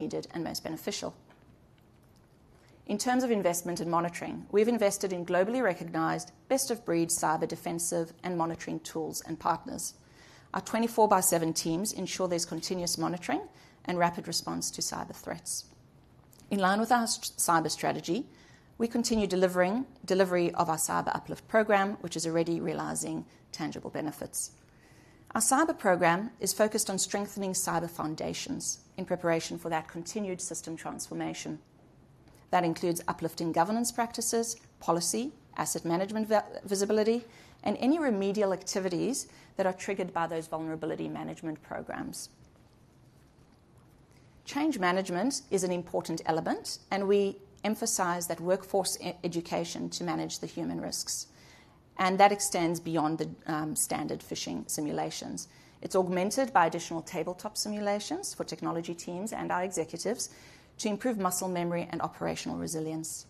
needed and most beneficial. In terms of investment and monitoring, we've invested in globally recognized, best-of-breed cyber defensive and monitoring tools and partners. Our twenty-four by seven teams ensure there's continuous monitoring and rapid response to cyber threats. In line with our cyber strategy, we continue delivery of our cyber uplift program, which is already realizing tangible benefits. Our cyber program is focused on strengthening cyber foundations in preparation for that continued system transformation. That includes uplifting governance practices, policy, asset management, visibility, and any remedial activities that are triggered by those vulnerability management programs. Change management is an important element, and we emphasize that workforce education to manage the human risks, and that extends beyond the standard phishing simulations. It's augmented by additional tabletop simulations for technology teams and our executives to improve muscle memory and operational resilience.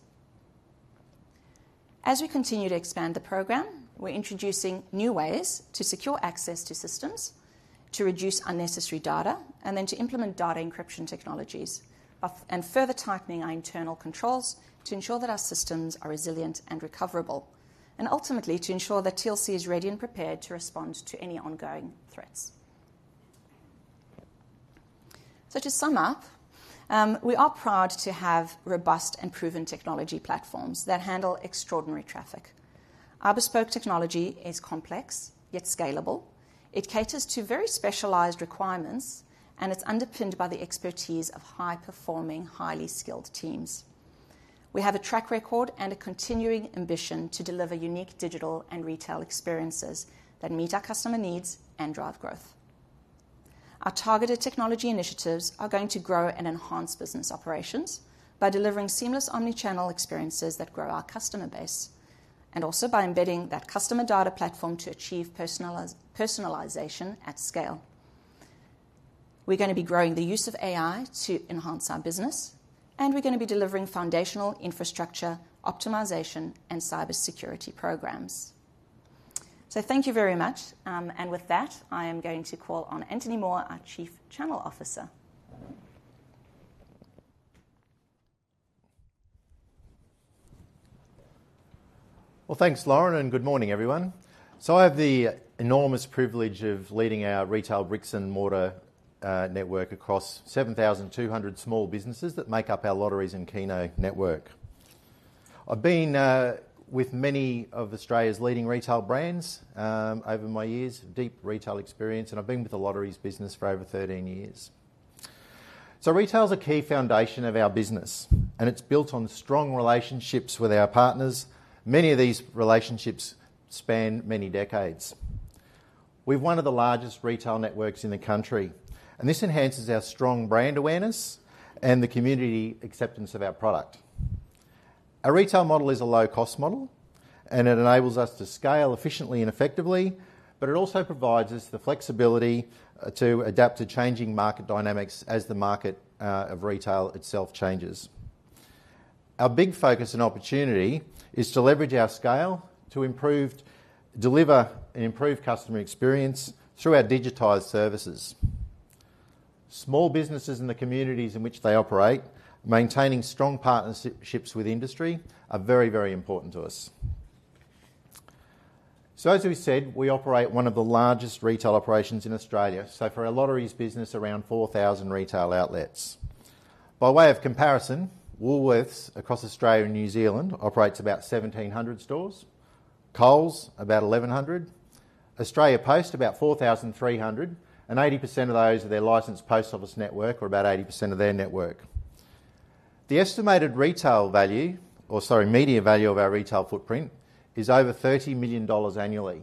As we continue to expand the program, we're introducing new ways to secure access to systems, to reduce unnecessary data, and then to implement data encryption technologies, and further tightening our internal controls to ensure that our systems are resilient and recoverable, and ultimately, to ensure that TLC is ready and prepared to respond to any ongoing threats. So to sum up, we are proud to have robust and proven technology platforms that handle extraordinary traffic. Our bespoke technology is complex yet scalable. It caters to very specialized requirements, and it's underpinned by the expertise of high-performing, highly skilled teams. We have a track record and a continuing ambition to deliver unique digital and retail experiences that meet our customer needs and drive growth. Our targeted technology initiatives are going to grow and enhance business operations by delivering seamless omni-channel experiences that grow our customer base, and also by embedding that customer data platform to achieve personalization at scale. We're going to be growing the use of AI to enhance our business, and we're going to be delivering foundational infrastructure, optimization, and cybersecurity programs. So thank you very much, and with that, I am going to call on Antony Moore, our Chief Channel Officer. Thanks, Lauren, and good morning, everyone. I have the enormous privilege of leading our retail bricks and mortar network across 7,200 small businesses that make up our Lotteries and Keno network. I've been with many of Australia's leading retail brands over my years, deep retail experience, and I've been with the Lotteries business for over 13 years. Retail is a key foundation of our business, and it's built on strong relationships with our partners. Many of these relationships span many decades. We've one of the largest retail networks in the country, and this enhances our strong brand awareness and the community acceptance of our product. Our retail model is a low-cost model, and it enables us to scale efficiently and effectively, but it also provides us the flexibility to adapt to changing market dynamics as the market of retail itself changes. Our big focus and opportunity is to leverage our scale to improve, deliver and improve customer experience through our digitized services. Small businesses in the communities in which they operate, maintaining strong partnerships with industry are very, very important to us. As we said, we operate one of the largest retail operations in Australia. For our Lotteries business, around 4,000 retail outlets. By way of comparison, Woolworths across Australia and New Zealand operates about 1,700 stores, Coles about 1,100, Australia Post about 4,300, and 80% of those are their licensed post office network or about 80% of their network. The estimated retail value, or sorry, media value of our retail footprint is over 30 million dollars annually.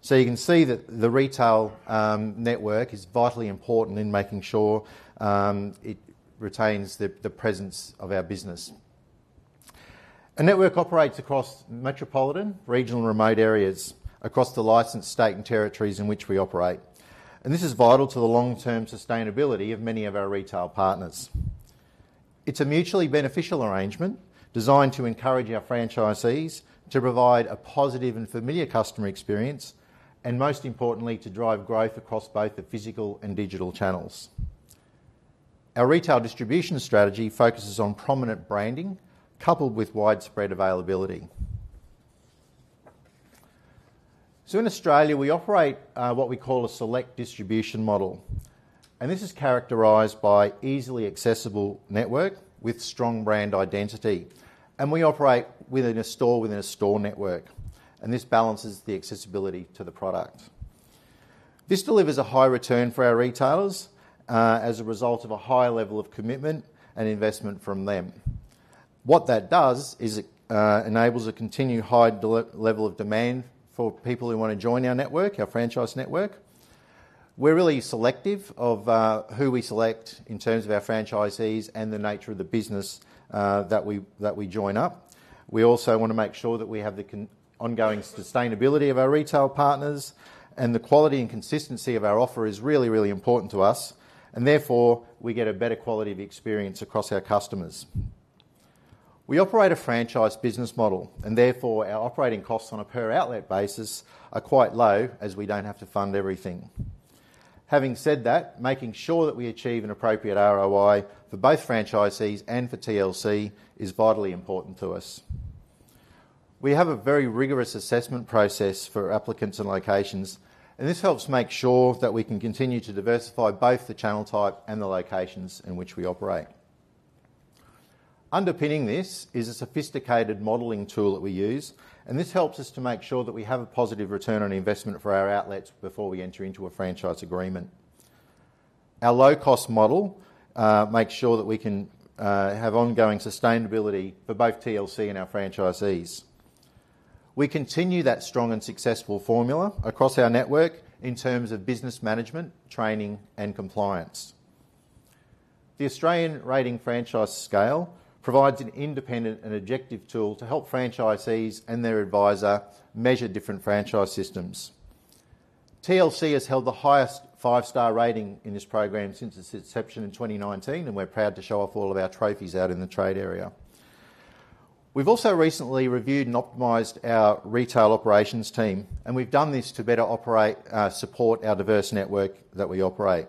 So you can see that the retail network is vitally important in making sure it retains the presence of our business. Our network operates across metropolitan, regional, and remote areas across the licensed states and territories in which we operate, and this is vital to the long-term sustainability of many of our retail partners. It's a mutually beneficial arrangement designed to encourage our franchisees to provide a positive and familiar customer experience, and most importantly, to drive growth across both the physical and digital channels. Our retail distribution strategy focuses on prominent branding coupled with widespread availability. In Australia, we operate what we call a select distribution model, and this is characterized by easily accessible network with strong brand identity, and we operate within a store, within a store network, and this balances the accessibility to the product. This delivers a high return for our retailers as a result of a high level of commitment and investment from them. What that does is it enables a continued high level of demand for people who want to join our network, our franchise network. We're really selective of who we select in terms of our franchisees and the nature of the business that we join up. We also want to make sure that we have the ongoing sustainability of our retail partners, and the quality and consistency of our offer is really, really important to us, and therefore, we get a better quality of experience across our customers. We operate a franchise business model, and therefore, our operating costs on a per-outlet basis are quite low, as we don't have to fund everything. Having said that, making sure that we achieve an appropriate ROI for both franchisees and for TLC is vitally important to us. We have a very rigorous assessment process for applicants and locations, and this helps make sure that we can continue to diversify both the channel type and the locations in which we operate. Underpinning this is a sophisticated modeling tool that we use, and this helps us to make sure that we have a positive return on investment for our outlets before we enter into a franchise agreement. Our low-cost model makes sure that we can have ongoing sustainability for both TLC and our franchisees. We continue that strong and successful formula across our network in terms of business management, training, and compliance. The Australian Franchise Rating Scale provides an independent and objective tool to help franchisees and their advisor measure different franchise systems. TLC has held the highest five-star rating in this program since its inception in 2019, and we're proud to show off all of our trophies out in the trade area. We've also recently reviewed and optimized our retail operations team, and we've done this to better operate, support our diverse network that we operate.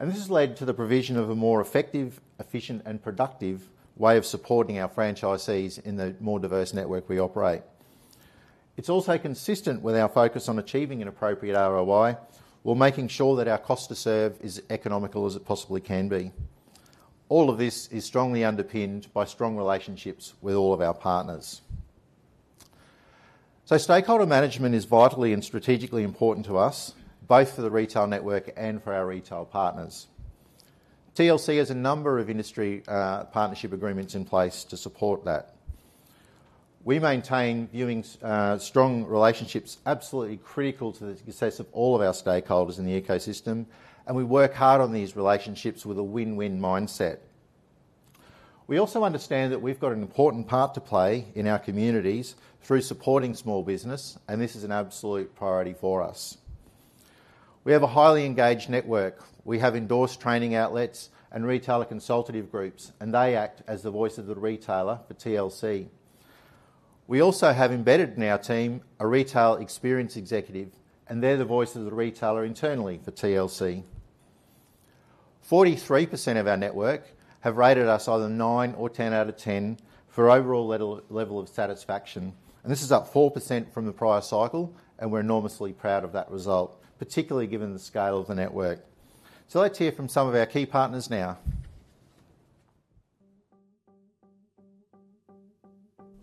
This has led to the provision of a more effective, efficient, and productive way of supporting our franchisees in the more diverse network we operate. It's also consistent with our focus on achieving an appropriate ROI, while making sure that our cost to serve is economical as it possibly can be. All of this is strongly underpinned by strong relationships with all of our partners. Stakeholder management is vitally and strategically important to us, both for the retail network and for our retail partners. TLC has a number of industry partnership agreements in place to support that. We maintain very strong relationships absolutely critical to the success of all of our stakeholders in the ecosystem, and we work hard on these relationships with a win-win mindset. We also understand that we've got an important part to play in our communities through supporting small business, and this is an absolute priority for us. We have a highly engaged network. We have endorsed training outlets and retailer consultative groups, and they act as the voice of the retailer for TLC. We also have embedded in our team a retail experience executive, and they're the voice of the retailer internally for TLC. 43% of our network have rated us either 9 or 10 out of 10 for overall level of satisfaction, and this is up 4% from the prior cycle, and we're enormously proud of that result, particularly given the scale of the network. So let's hear from some of our key partners now.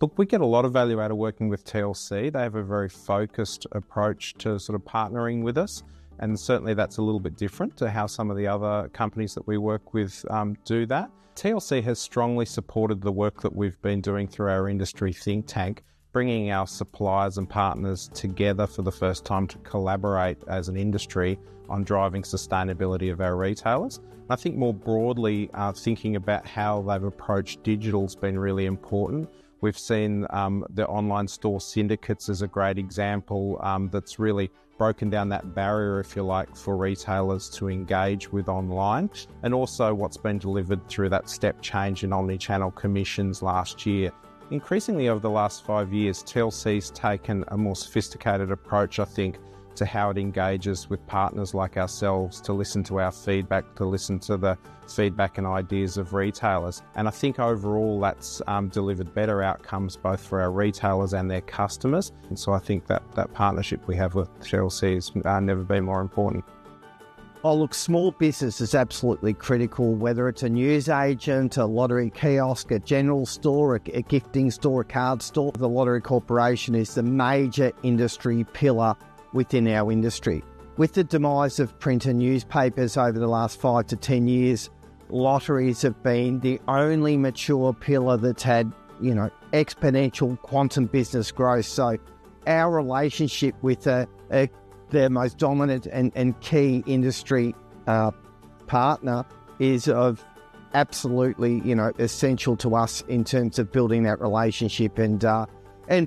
Look, we get a lot of value out of working with TLC. They have a very focused approach to sort of partnering with us, and certainly that's a little bit different to how some of the other companies that we work with, do that. TLC has strongly supported the work that we've been doing through our industry think tank, bringing our suppliers and partners together for the first time to collaborate as an industry on driving sustainability of our retailers. I think more broadly, thinking about how they've approached digital's been really important. We've seen the online store syndicates as a great example, that's really broken down that barrier, if you like, for retailers to engage with online and also what's been delivered through that step change in omni-channel commissions last year. Increasingly, over the last five years, TLC's taken a more sophisticated approach, I think, to how it engages with partners like ourselves, to listen to our feedback, to listen to the feedback and ideas of retailers. And I think overall, that's delivered better outcomes both for our retailers and their customers. And so I think that partnership we have with TLC has never been more important. Oh, look, small business is absolutely critical, whether it's a newsagent, a lottery kiosk, a general store, a gifting store, a card store. The Lottery Corporation is the major industry pillar within our industry. With the demise of print and newspapers over the last five to 10 years, lotteries have been the only mature pillar that's had, you know, exponential quantum business growth. So our relationship with the most dominant and key industry partner is of absolutely, you know, essential to us in terms of building that relationship and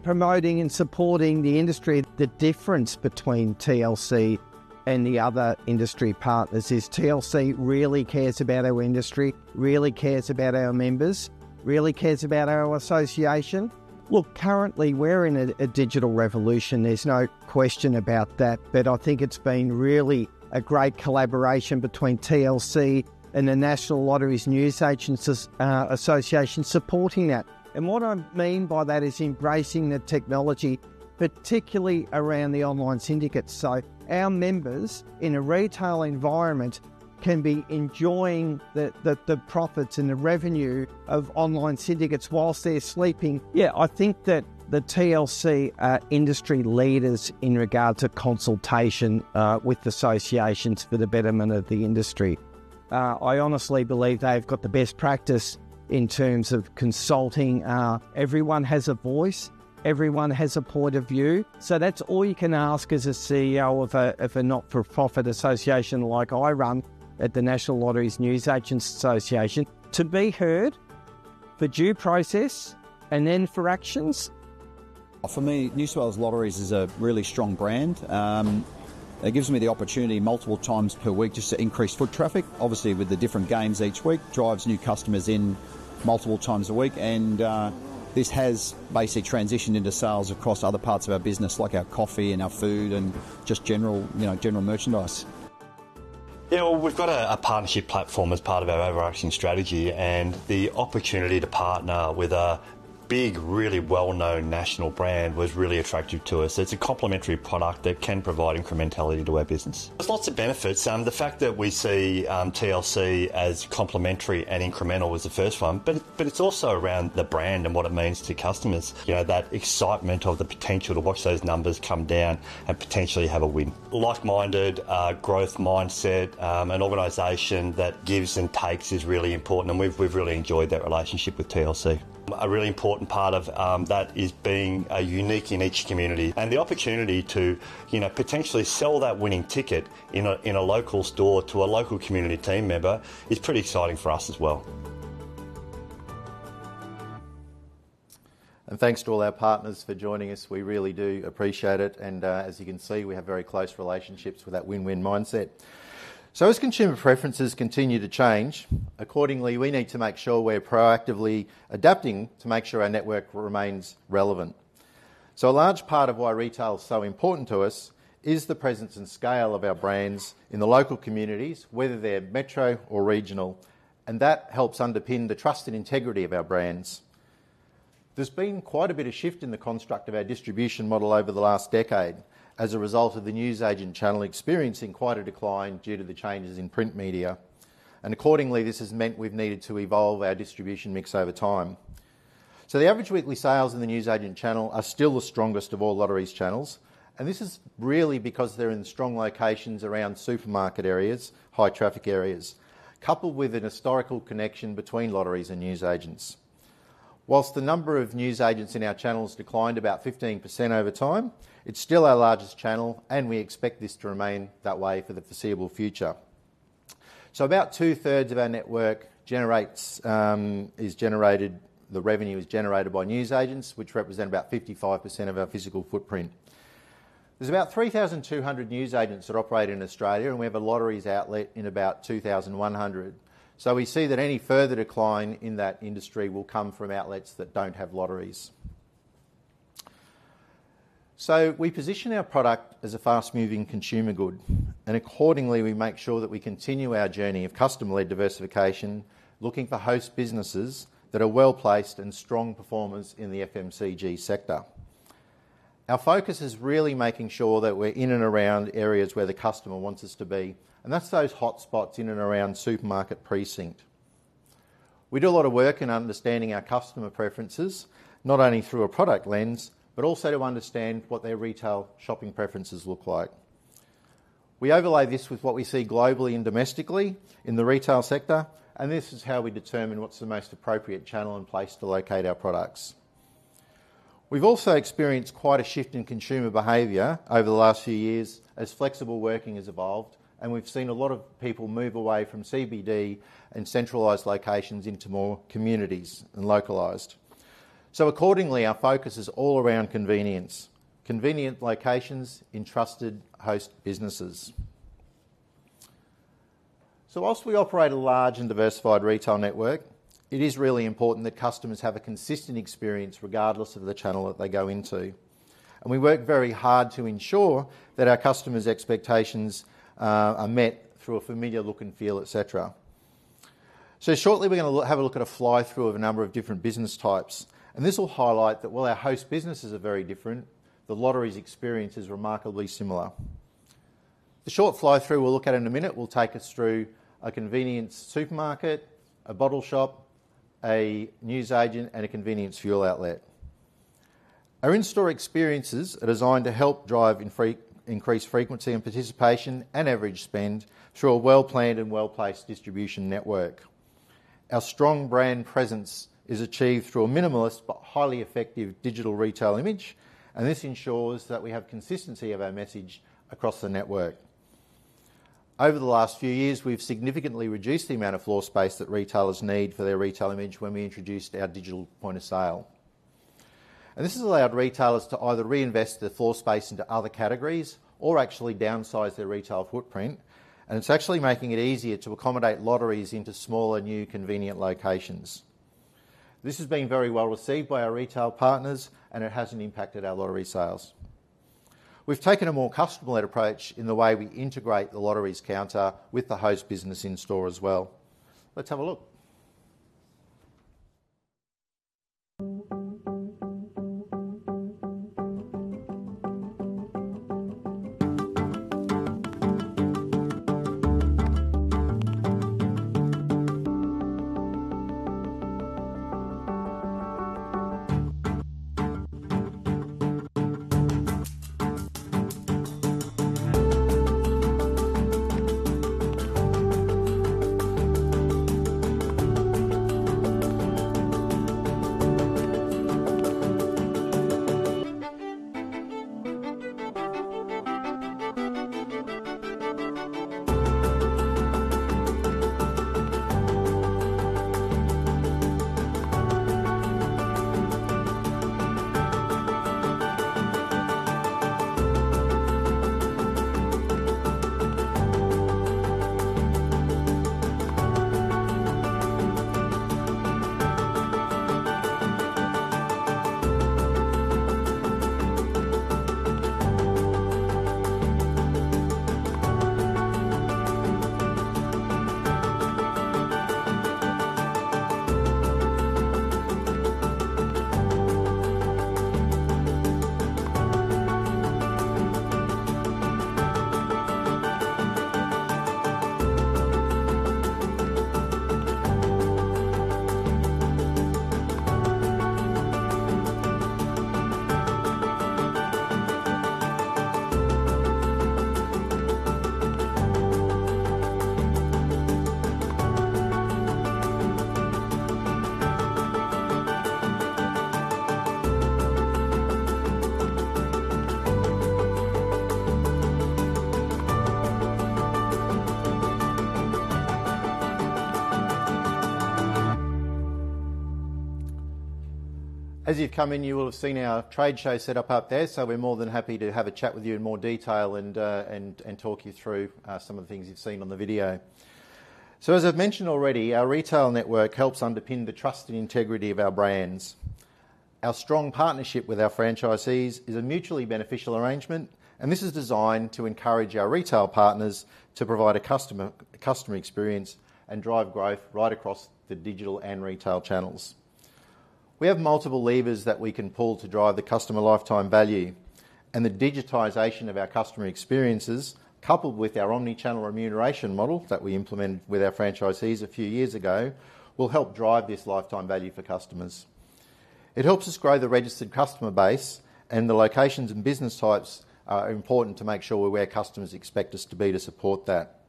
promoting and supporting the industry. The difference between TLC and the other industry partners is TLC really cares about our industry, really cares about our members, really cares about our association. Look, currently, we're in a digital revolution. There's no question about that, but I think it's been really a great collaboration between TLC and the National Lotteries Newsagents Association, supporting that. And what I mean by that is embracing the technology, particularly around the online syndicates. So our members, in a retail environment, can be enjoying the profits and the revenue of online syndicates whilst they're sleeping. Yeah, I think that the TLC are industry leaders in regard to consultation with associations for the betterment of the industry. I honestly believe they've got the best practice in terms of consulting. Everyone has a voice. Everyone has a point of view. So that's all you can ask as a CEO of a not-for-profit association like I run at the National Lotteries Newsagents Association: to be heard, for due process, and then for actions, and-... For me, New South Wales Lotteries is a really strong brand. It gives me the opportunity multiple times per week just to increase foot traffic. Obviously, with the different games each week, drives new customers in multiple times a week, and this has basically transitioned into sales across other parts of our business, like our coffee and our food and just general, you know, general merchandise. Yeah, well, we've got a partnership platform as part of our overarching strategy, and the opportunity to partner with a big, really well-known national brand was really attractive to us. It's a complementary product that can provide incrementality to our business. There's lots of benefits. The fact that we see TLC as complementary and incremental is the first one, but it's also around the brand and what it means to customers. You know, that excitement of the potential to watch those numbers come down and potentially have a win. Like-minded, growth mindset, an organization that gives and takes is really important, and we've really enjoyed that relationship with TLC. A really important part of that is being unique in each community, and the opportunity to, you know, potentially sell that winning ticket in a local store to a local community team member is pretty exciting for us as well. Thanks to all our partners for joining us. We really do appreciate it, and as you can see, we have very close relationships with that win-win mindset. As consumer preferences continue to change, accordingly, we need to make sure we're proactively adapting to make sure our network remains relevant. A large part of why retail is so important to us is the presence and scale of our brands in the local communities, whether they're metro or regional, and that helps underpin the trust and integrity of our brands. There's been quite a bit of shift in the construct of our distribution model over the last decade as a result of the newsagent channel experiencing quite a decline due to the changes in print media, and accordingly, this has meant we've needed to evolve our distribution mix over time. The average weekly sales in the newsagent channel are still the strongest of all lotteries channels, and this is really because they're in strong locations around supermarket areas, high traffic areas, coupled with an historical connection between lotteries and newsagents. While the number of newsagents in our channels declined about 15% over time, it's still our largest channel, and we expect this to remain that way for the foreseeable future. About two-thirds of our network generates the revenue generated by newsagents, which represent about 55% of our physical footprint. There's about 3,200 newsagents that operate in Australia, and we have a lotteries outlet in about 2,100. We see that any further decline in that industry will come from outlets that don't have lotteries. So we position our product as a fast-moving consumer good, and accordingly, we make sure that we continue our journey of customer-led diversification, looking for host businesses that are well-placed and strong performers in the FMCG sector. Our focus is really making sure that we're in and around areas where the customer wants us to be, and that's those hot spots in and around supermarket precinct. We do a lot of work in understanding our customer preferences, not only through a product lens, but also to understand what their retail shopping preferences look like. We overlay this with what we see globally and domestically in the retail sector, and this is how we determine what's the most appropriate channel and place to locate our products. We've also experienced quite a shift in consumer behavior over the last few years as flexible working has evolved, and we've seen a lot of people move away from CBD and centralized locations into more communities and localized. So accordingly, our focus is all around convenience, convenient locations in trusted host businesses. So while we operate a large and diversified retail network, it is really important that customers have a consistent experience regardless of the channel that they go into. And we work very hard to ensure that our customers' expectations are met through a familiar look and feel, et cetera. So shortly, we're going to have a look at a fly-through of a number of different business types, and this will highlight that while our host businesses are very different, the lottery's experience is remarkably similar. The short fly-through we'll look at in a minute will take us through a convenience supermarket, a bottle shop, a newsagent, and a convenience fuel outlet. Our in-store experiences are designed to help drive increased frequency and participation and average spend through a well-planned and well-placed distribution network. Our strong brand presence is achieved through a minimalist but highly effective digital retail image, and this ensures that we have consistency of our message across the network. Over the last few years, we've significantly reduced the amount of floor space that retailers need for their retail image when we introduced our digital point of sale, and this has allowed retailers to either reinvest the floor space into other categories or actually downsize their retail footprint, and it's actually making it easier to accommodate lotteries into smaller, new, convenient locations. This has been very well received by our retail partners, and it hasn't impacted our lottery sales. We've taken a more customer-led approach in the way we integrate the lotteries counter with the host business in store as well. Let's have a look. As you've come in, you will have seen our trade show set up out there. So we're more than happy to have a chat with you in more detail and talk you through some of the things you've seen on the video. So as I've mentioned already, our retail network helps underpin the trust and integrity of our brands. Our strong partnership with our franchisees is a mutually beneficial arrangement, and this is designed to encourage our retail partners to provide a customer experience and drive growth right across the digital and retail channels. We have multiple levers that we can pull to drive the customer lifetime value and the digitization of our customer experiences, coupled with our omni-channel remuneration model that we implemented with our franchisees a few years ago, will help drive this lifetime value for customers. It helps us grow the registered customer base, and the locations and business types are important to make sure we're where customers expect us to be to support that.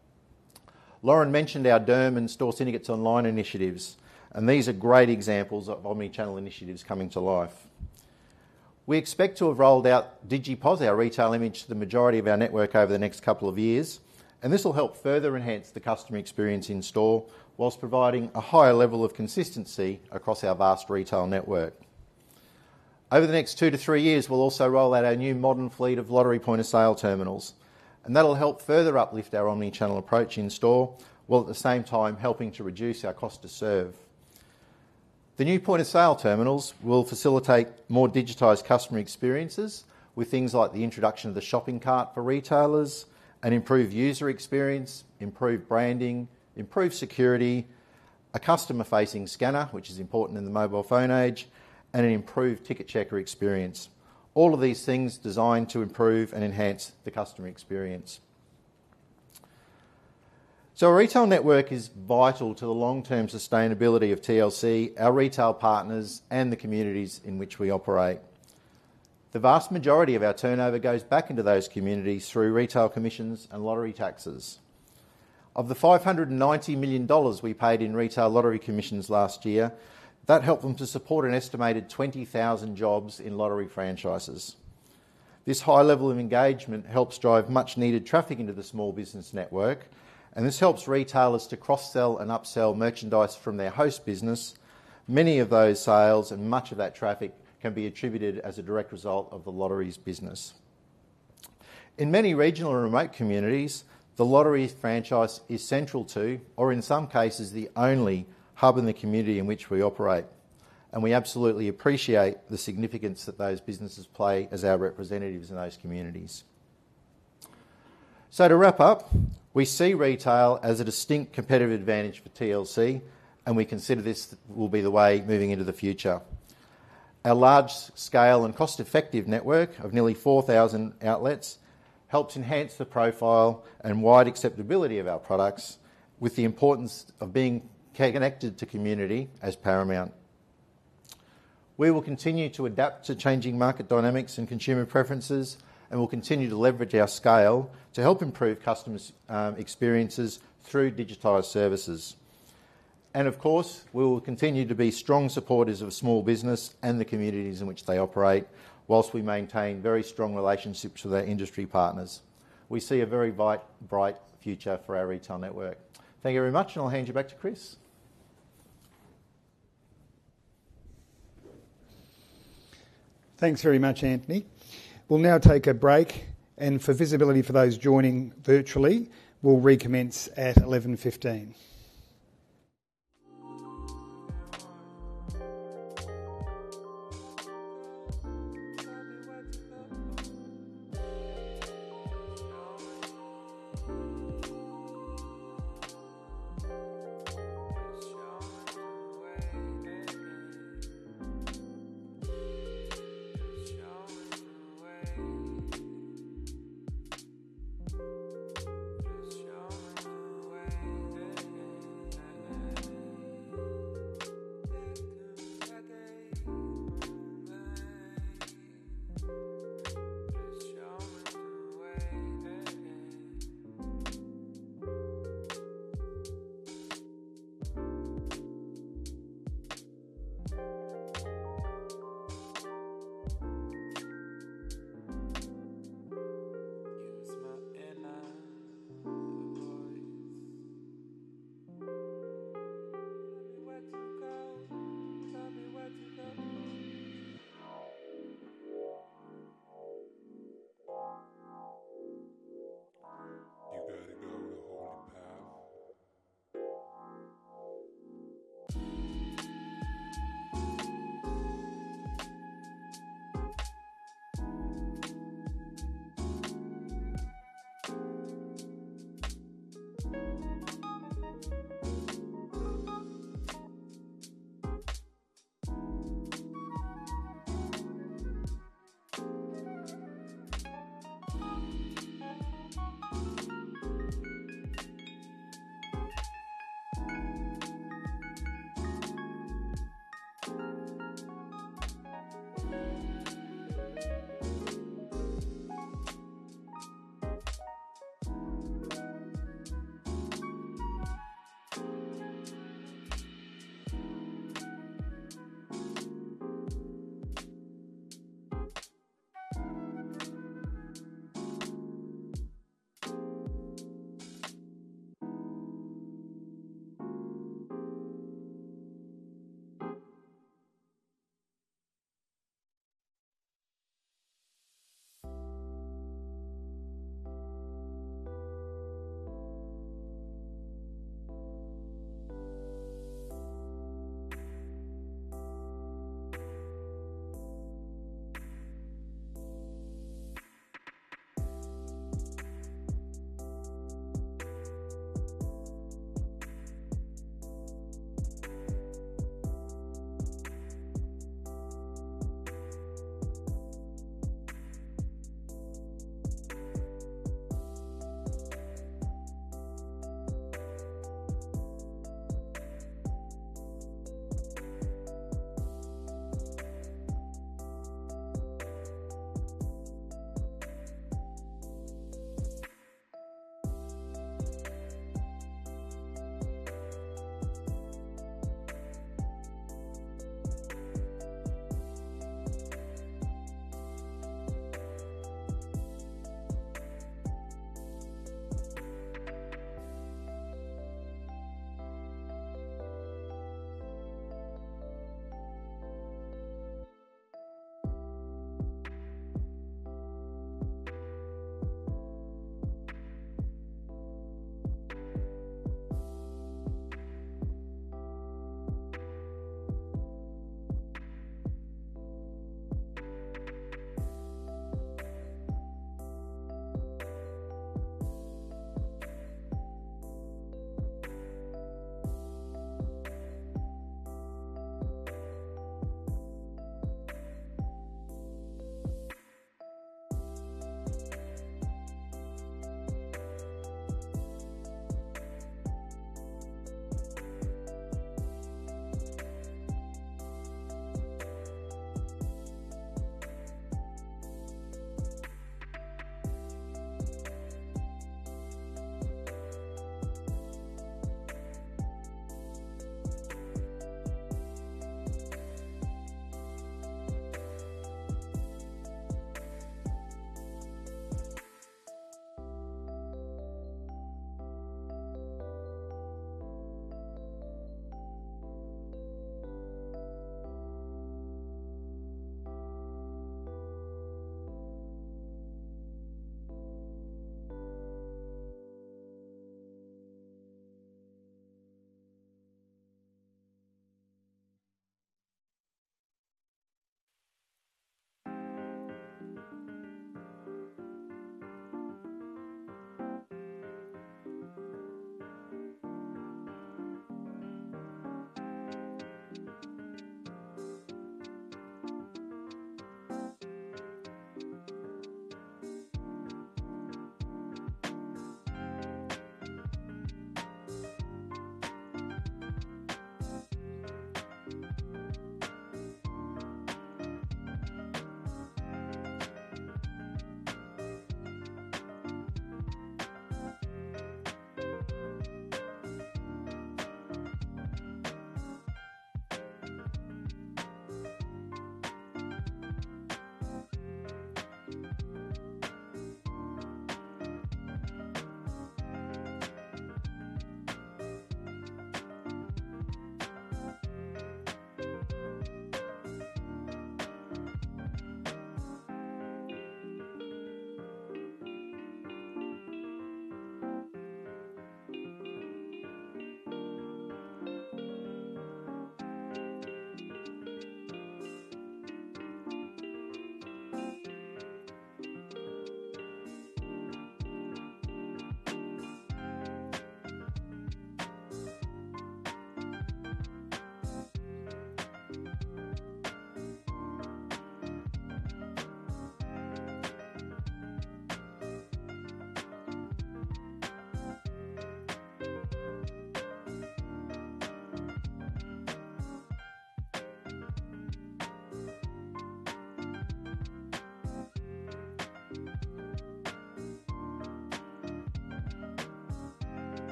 Lauren mentioned our DERM and Store Syndicates online initiatives, and these are great examples of omni-channel initiatives coming to life. We expect to have rolled out DigiPOS our retail image, to the majority of our network over the next couple of years, and this will help further enhance the customer experience in store, while providing a higher level of consistency across our vast retail network. Over the next two to three years, we'll also roll out our new modern fleet of lottery point-of-sale terminals, and that'll help further uplift our omni-channel approach in store, while at the same time helping to reduce our cost to serve. The new point-of-sale terminals will facilitate more digitized customer experiences with things like the introduction of the shopping cart for retailers, an improved user experience, improved branding, improved security, a customer-facing scanner, which is important in the mobile phone age, and an improved ticket checker experience. All of these things designed to improve and enhance the customer experience. Our retail network is vital to the long-term sustainability of TLC, our retail partners, and the communities in which we operate. The vast majority of our turnover goes back into those communities through retail commissions and lottery taxes. Of the 590 million dollars we paid in retail lottery commissions last year, that helped them to support an estimated 20,000 jobs in lottery franchises. This high level of engagement helps drive much needed traffic into the small business network, and this helps retailers to cross-sell and upsell merchandise from their host business. Many of those sales and much of that traffic can be attributed as a direct result of the lottery's business. In many regional and remote communities, the lottery franchise is central to, or in some cases, the only hub in the community in which we operate, and we absolutely appreciate the significance that those businesses play as our representatives in those communities. So to wrap up, we see retail as a distinct competitive advantage for TLC, and we consider this will be the way moving into the future. Our large scale and cost-effective network of nearly 4,000 outlets helps enhance the profile and wide acceptability of our products with the importance of being connected to community as paramount. We will continue to adapt to changing market dynamics and consumer preferences, and we'll continue to leverage our scale to help improve customers' experiences through digitized services. And of course, we will continue to be strong supporters of small business and the communities in which they operate, whilst we maintain very strong relationships with our industry partners. We see a very bright, bright future for our retail network. Thank you very much, and I'll hand you back to Chris. Thanks very much, Antony. We'll now take a break, and for visibility for those joining virtually, we'll recommence at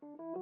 A.M.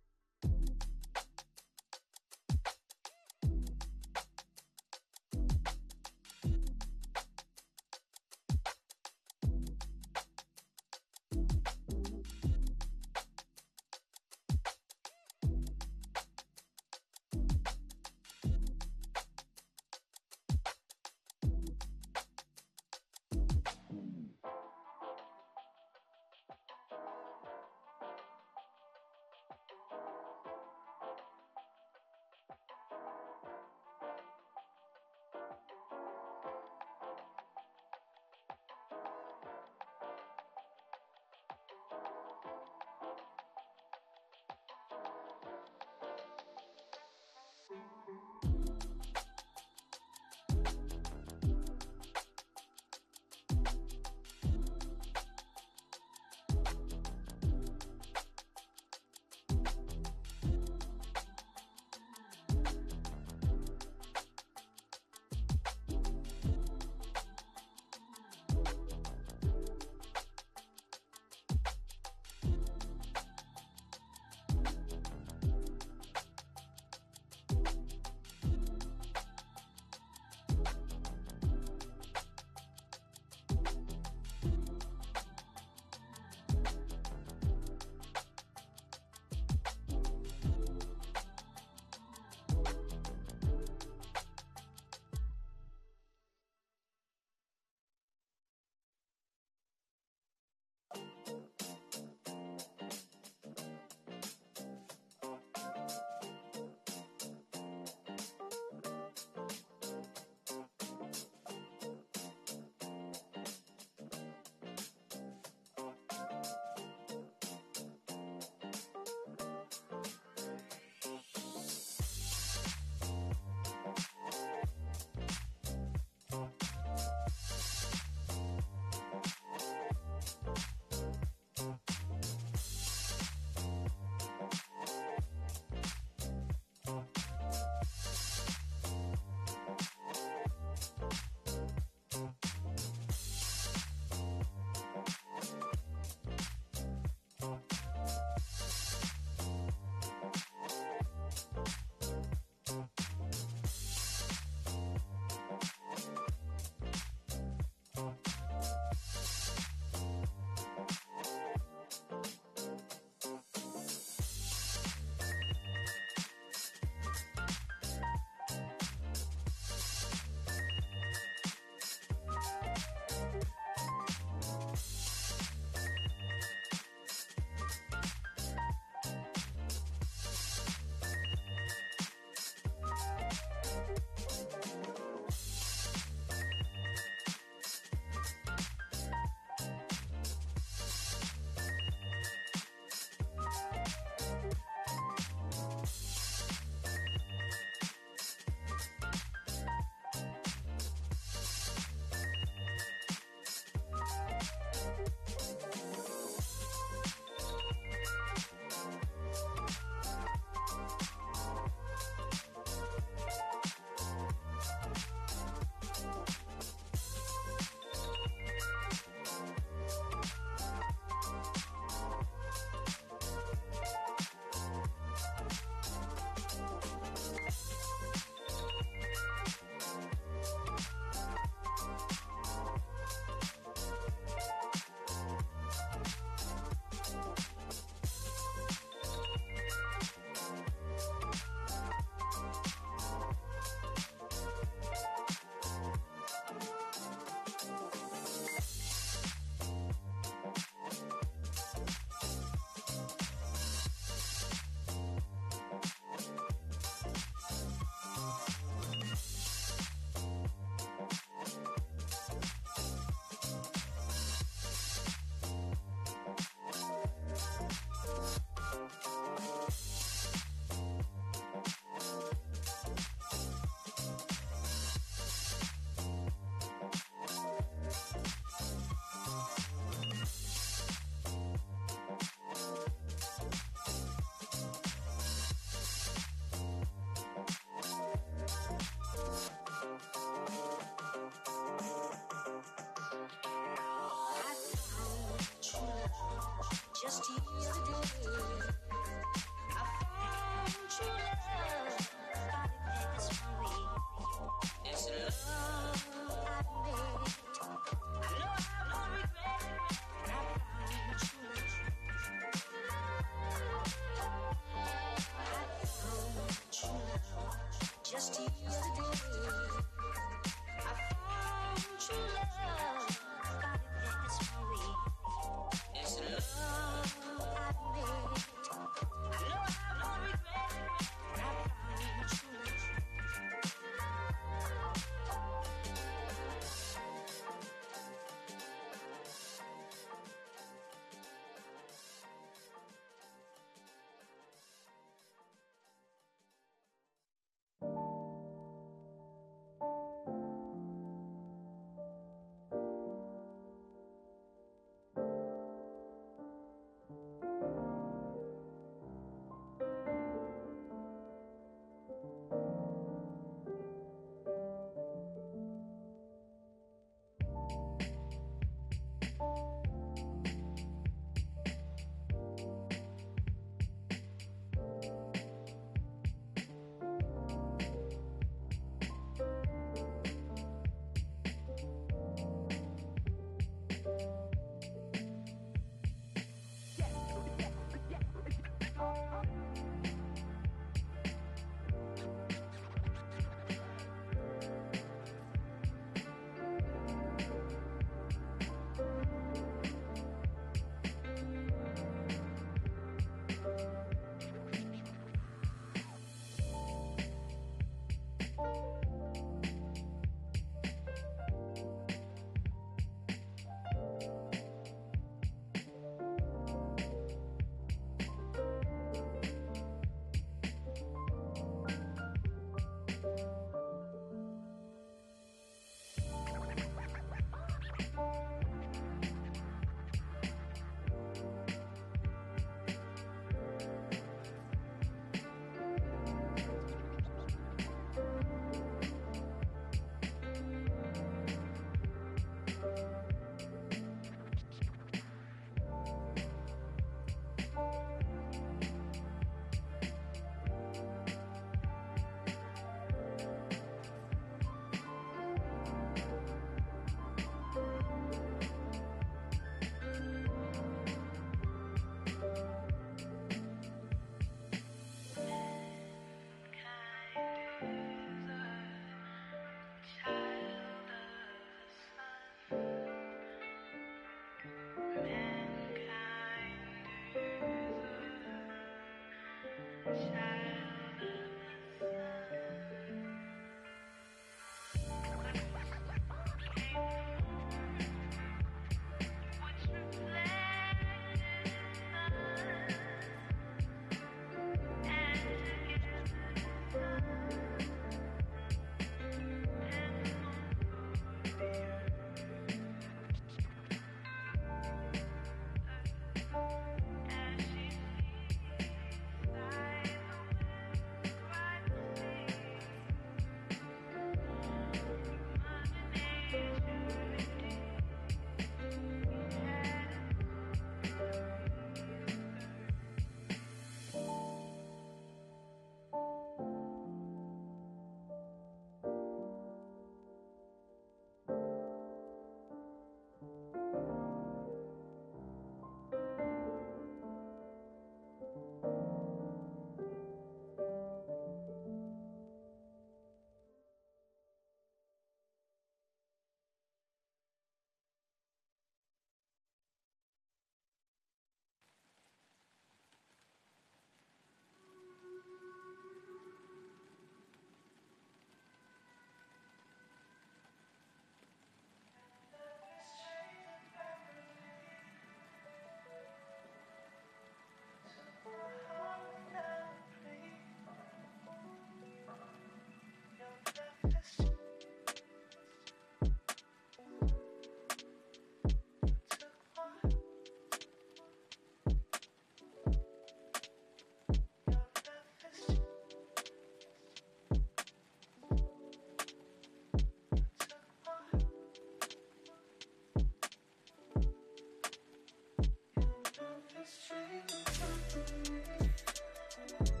I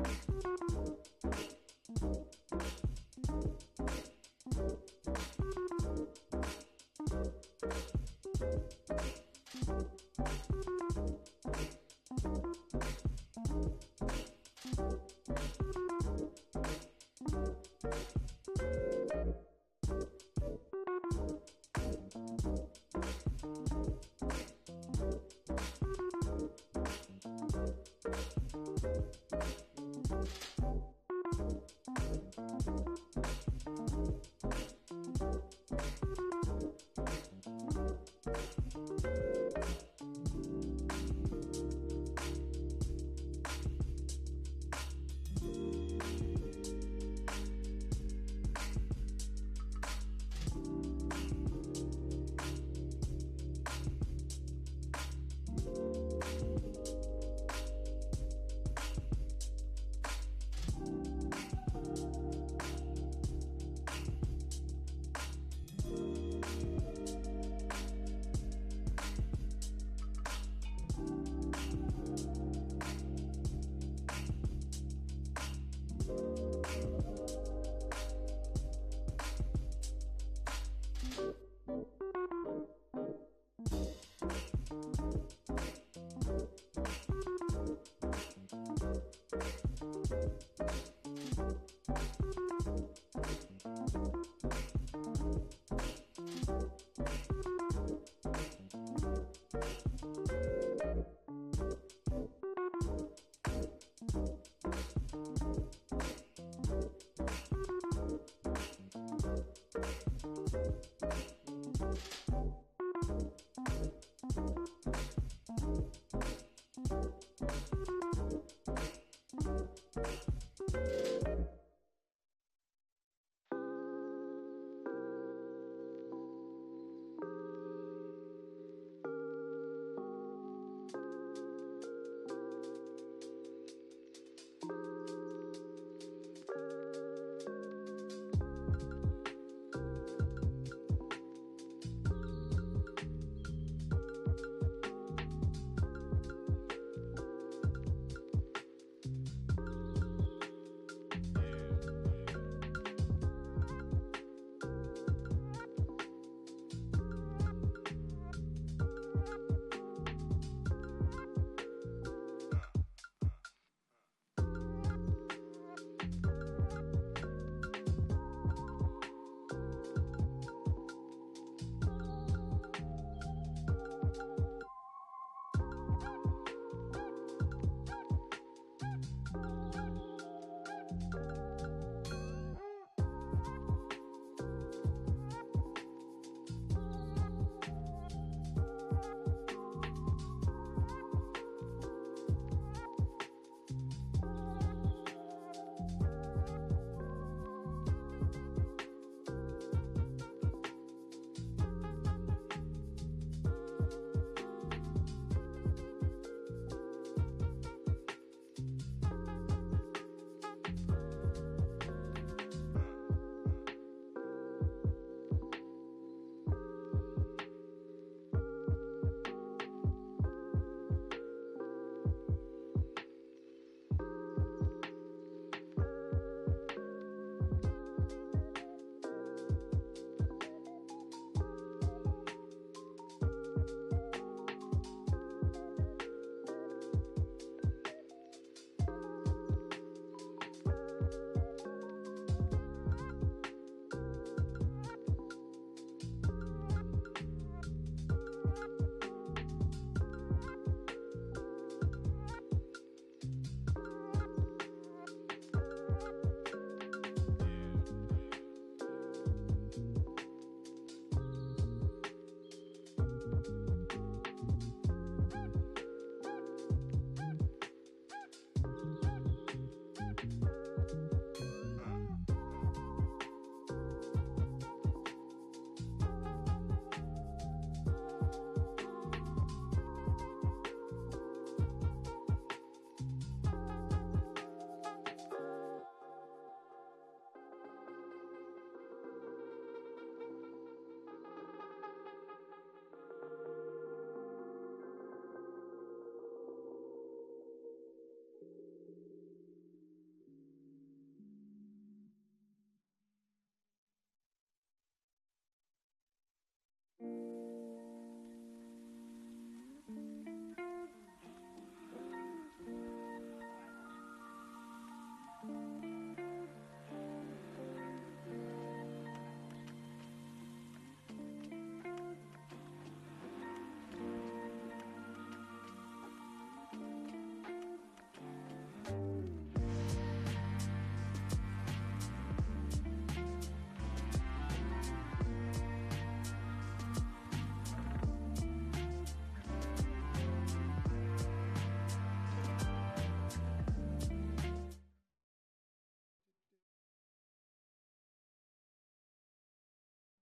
the gift of the sun, and moon for the earth. As she sees by the wind, by the sea, all humanity had a mother in the earth....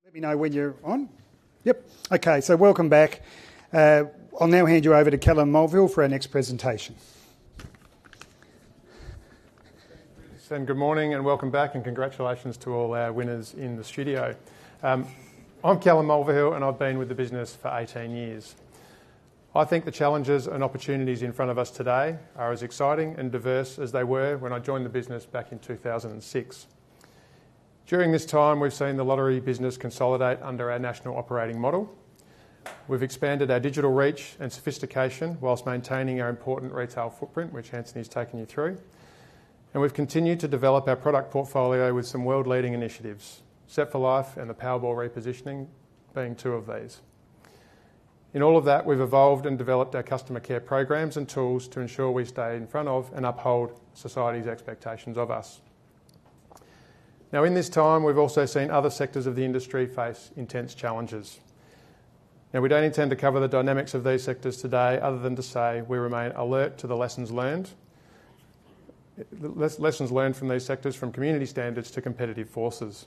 Let me know when you're on. Yep. Okay, so welcome back. I'll now hand you over to Callum Mulvihill for our next presentation. Thanks, and good morning, and welcome back, and congratulations to all our winners in the studio. I'm Callum Mulvihill, and I've been with the business for eighteen years. I think the challenges and opportunities in front of us today are as exciting and diverse as they were when I joined the business back in two thousand and six. During this time, we've seen the lottery business consolidate under our national operating model. We've expanded our digital reach and sophistication while maintaining our important retail footprint, which Anthony's taken you through, and we've continued to develop our product portfolio with some world-leading initiatives, Set for Life and the Powerball repositioning being two of these. In all of that, we've evolved and developed our customer care programs and tools to ensure we stay in front of and uphold society's expectations of us. Now, in this time, we've also seen other sectors of the industry face intense challenges. Now, we don't intend to cover the dynamics of these sectors today, other than to say we remain alert to the lessons learned from these sectors, from community standards to competitive forces.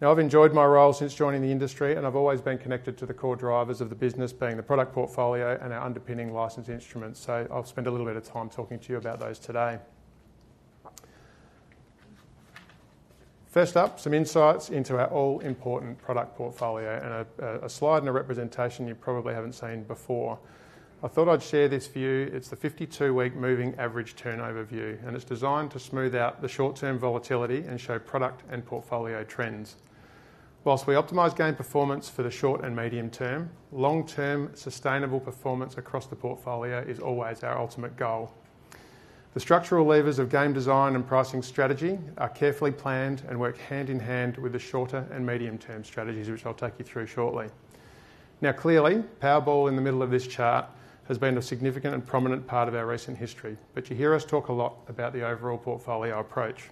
Now, I've enjoyed my role since joining the industry, and I've always been connected to the core drivers of the business, being the product portfolio and our underpinning license instruments. So I'll spend a little bit of time talking to you about those today. First up, some insights into our all-important product portfolio and a slide and a representation you probably haven't seen before. I thought I'd share this view. It's the fifty-two-week moving average turnover view, and it's designed to smooth out the short-term volatility and show product and portfolio trends. While we optimize game performance for the short and medium term, long-term sustainable performance across the portfolio is always our ultimate goal. The structural levers of game design and pricing strategy are carefully planned and work hand in hand with the shorter and medium-term strategies, which I'll take you through shortly. Now, clearly, Powerball in the middle of this chart has been a significant and prominent part of our recent history, but you hear us talk a lot about the overall portfolio approach.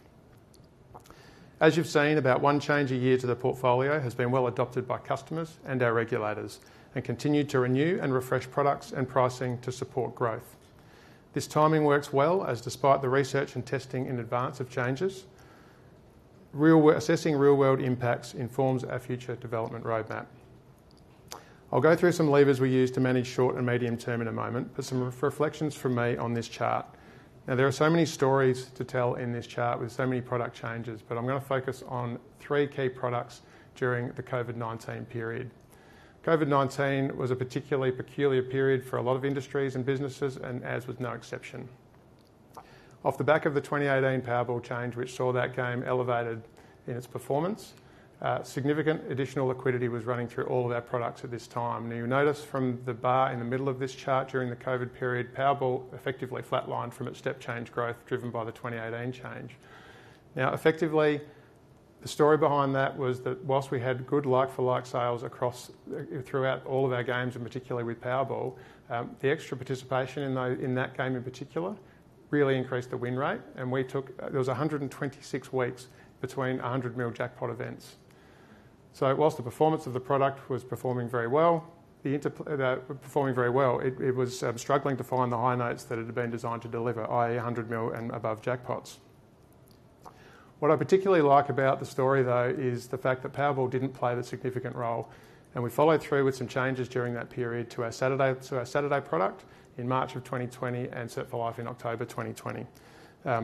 As you've seen, about one change a year to the portfolio has been well adopted by customers and our regulators, and continued to renew and refresh products and pricing to support growth. This timing works well, as despite the research and testing in advance of changes, real world, assessing real-world impacts informs our future development roadmap. I'll go through some levers we use to manage short and medium term in a moment, but some reflections from me on this chart. Now, there are so many stories to tell in this chart with so many product changes, but I'm going to focus on three key products during the COVID-19 period. COVID-19 was a particularly peculiar period for a lot of industries and businesses, and ours was no exception. Off the back of the twenty eighteen Powerball change, which saw that game elevated in its performance, significant additional liquidity was running through all of our products at this time. Now, you notice from the bar in the middle of this chart, during the COVID period, Powerball effectively flatlined from its step change growth, driven by the twenty eighteen change. Now, effectively, the story behind that was that whilst we had good like-for-like sales across, throughout all of our games, and particularly with Powerball, the extra participation in that, in that game in particular, really increased the win rate. There was a hundred and twenty-six weeks between 100 million jackpot events. So whilst the performance of the product was performing very well, it was struggling to find the high notes that it had been designed to deliver, i.e., 100 million and above jackpots. What I particularly like about the story, though, is the fact that Powerball didn't play the significant role, and we followed through with some changes during that period to our Saturday, to our Saturday product in March of 2020 and Set for Life in October 2020.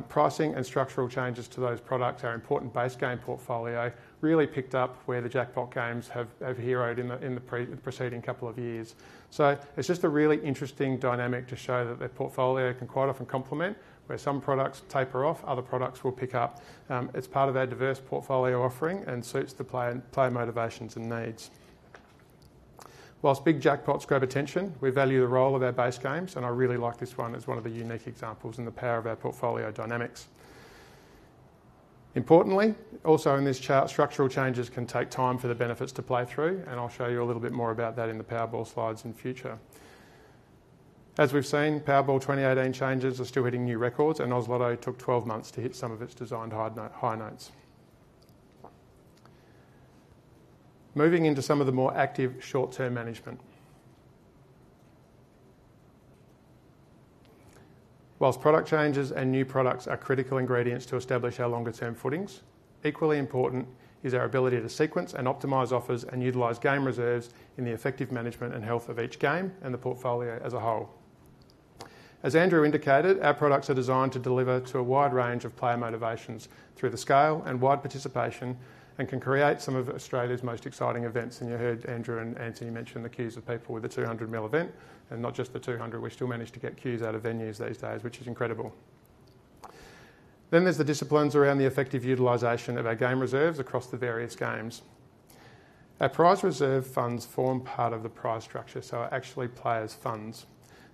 Pricing and structural changes to those products, our important base game portfolio really picked up where the jackpot games have heroed in the preceding couple of years. So it's just a really interesting dynamic to show that their portfolio can quite often complement, where some products taper off, other products will pick up. It's part of our diverse portfolio offering and suits the player motivations and needs. Whilst big jackpots grab attention, we value the role of our base games, and I really like this one as one of the unique examples in the power of our portfolio dynamics. Importantly, also in this chart, structural changes can take time for the benefits to play through, and I'll show you a little bit more about that in the Powerball slides in future. As we've seen, Powerball 2018 changes are still hitting new records, and Oz Lotto took 12 months to hit some of its designed high note, high notes. Moving into some of the more active short-term management. While product changes and new products are critical ingredients to establish our longer-term footings, equally important is our ability to sequence and optimize offers and utilize game reserves in the effective management and health of each game and the portfolio as a whole. As Andrew indicated, our products are designed to deliver to a wide range of player motivations through the scale and wide participation, and can create some of Australia's most exciting events, and you heard Andrew and Antony mention the queues of people with the 200 million event, and not just the 200. We still manage to get queues out of venues these days, which is incredible. Then there's the disciplines around the effective utilization of our game reserves across the various games. Our prize reserve funds form part of the prize structure, so are actually players' funds.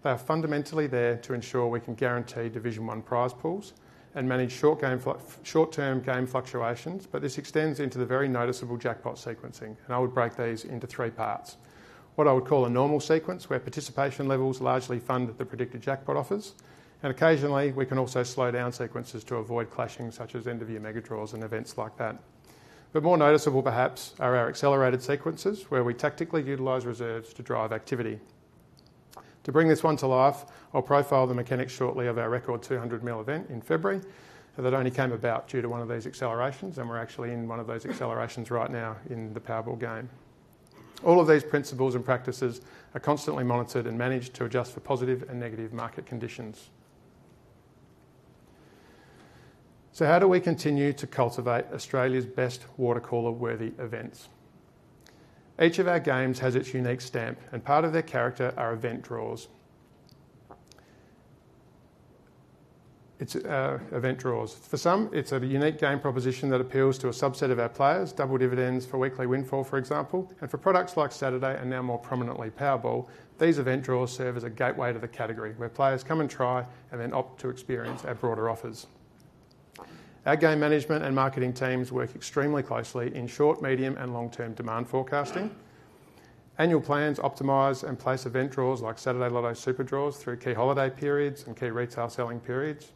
They are fundamentally there to ensure we can guarantee Division one prize pools and manage short-term game fluctuations, but this extends into the very noticeable jackpot sequencing, and I would break these into three parts. What I would call a normal sequence, where participation levels largely fund the predicted jackpot offers, and occasionally, we can also slow down sequences to avoid clashing, such as end of year mega draws and events like that. But more noticeable, perhaps, are our accelerated sequences, where we tactically utilize reserves to drive activity. To bring this one to life, I'll profile the mechanics shortly of our record 200 million event in February, that only came about due to one of these accelerations, and we're actually in one of those accelerations right now in the Powerball game. All of these principles and practices are constantly monitored and managed to adjust for positive and negative market conditions. So how do we continue to cultivate Australia's best water cooler-worthy events? Each of our games has its unique stamp, and part of their character are event draws. It's event draws. For some, it's a unique game proposition that appeals to a subset of our players. Double dividends for Weekday Windfall, for example, and for products like Saturday Lotto and now more prominently, Powerball, these event draws serve as a gateway to the category, where players come and try and then opt to experience our broader offers. Our game management and marketing teams work extremely closely in short, medium, and long-term demand forecasting. Annual plans optimize and place event draws, like Saturday Lotto super draws, through key holiday periods and key retail selling periods.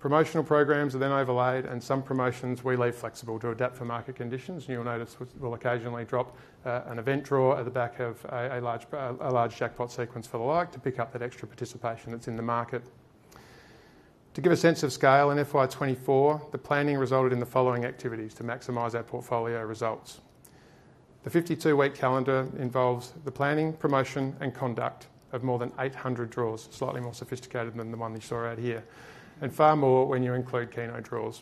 Promotional programs are then overlaid, and some promotions we leave flexible to adapt for market conditions. You'll notice we'll occasionally drop an event draw at the back of a large jackpot sequence, like, to pick up that extra participation that's in the market. To give a sense of scale, in FY 2024, the planning resulted in the following activities to maximize our portfolio results. The 52-week calendar involves the planning, promotion, and conduct of more than 800 draws, slightly more sophisticated than the one you saw out here, and far more when you include Keno draws.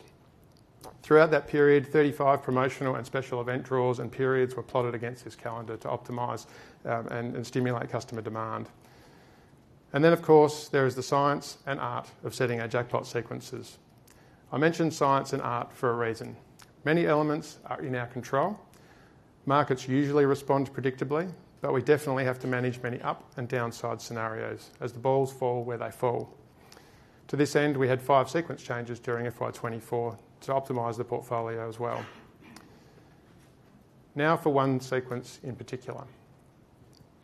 Throughout that period, 35 promotional and special event draws and periods were plotted against this calendar to optimize and stimulate customer demand. Then, of course, there is the science and art of setting our jackpot sequences. I mentioned science and art for a reason. Many elements are in our control. Markets usually respond predictably, but we definitely have to manage many up and downside scenarios as the balls fall where they fall. To this end, we had 5 sequence changes during FY 2024 to optimize the portfolio as well. Now, for one sequence in particular,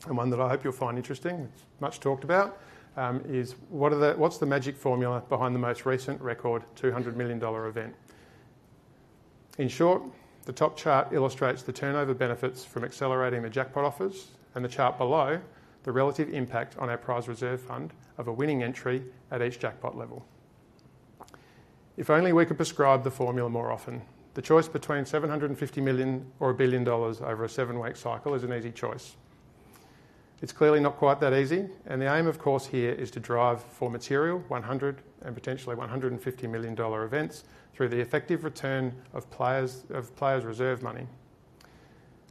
and one that I hope you'll find interesting, it's much talked about: what's the magic formula behind the most recent record, 200 million dollar event? In short, the top chart illustrates the turnover benefits from accelerating the jackpot offers, and the chart below, the relative impact on our Prize Reserve Fund of a winning entry at each jackpot level. If only we could prescribe the formula more often. The choice between seven hundred and fifty million or a billion dollars over a seven-week cycle is an easy choice. It's clearly not quite that easy, and the aim, of course, here is to drive for material one hundred and potentially one hundred and fifty million dollar events through the effective return of players, of players' reserve money.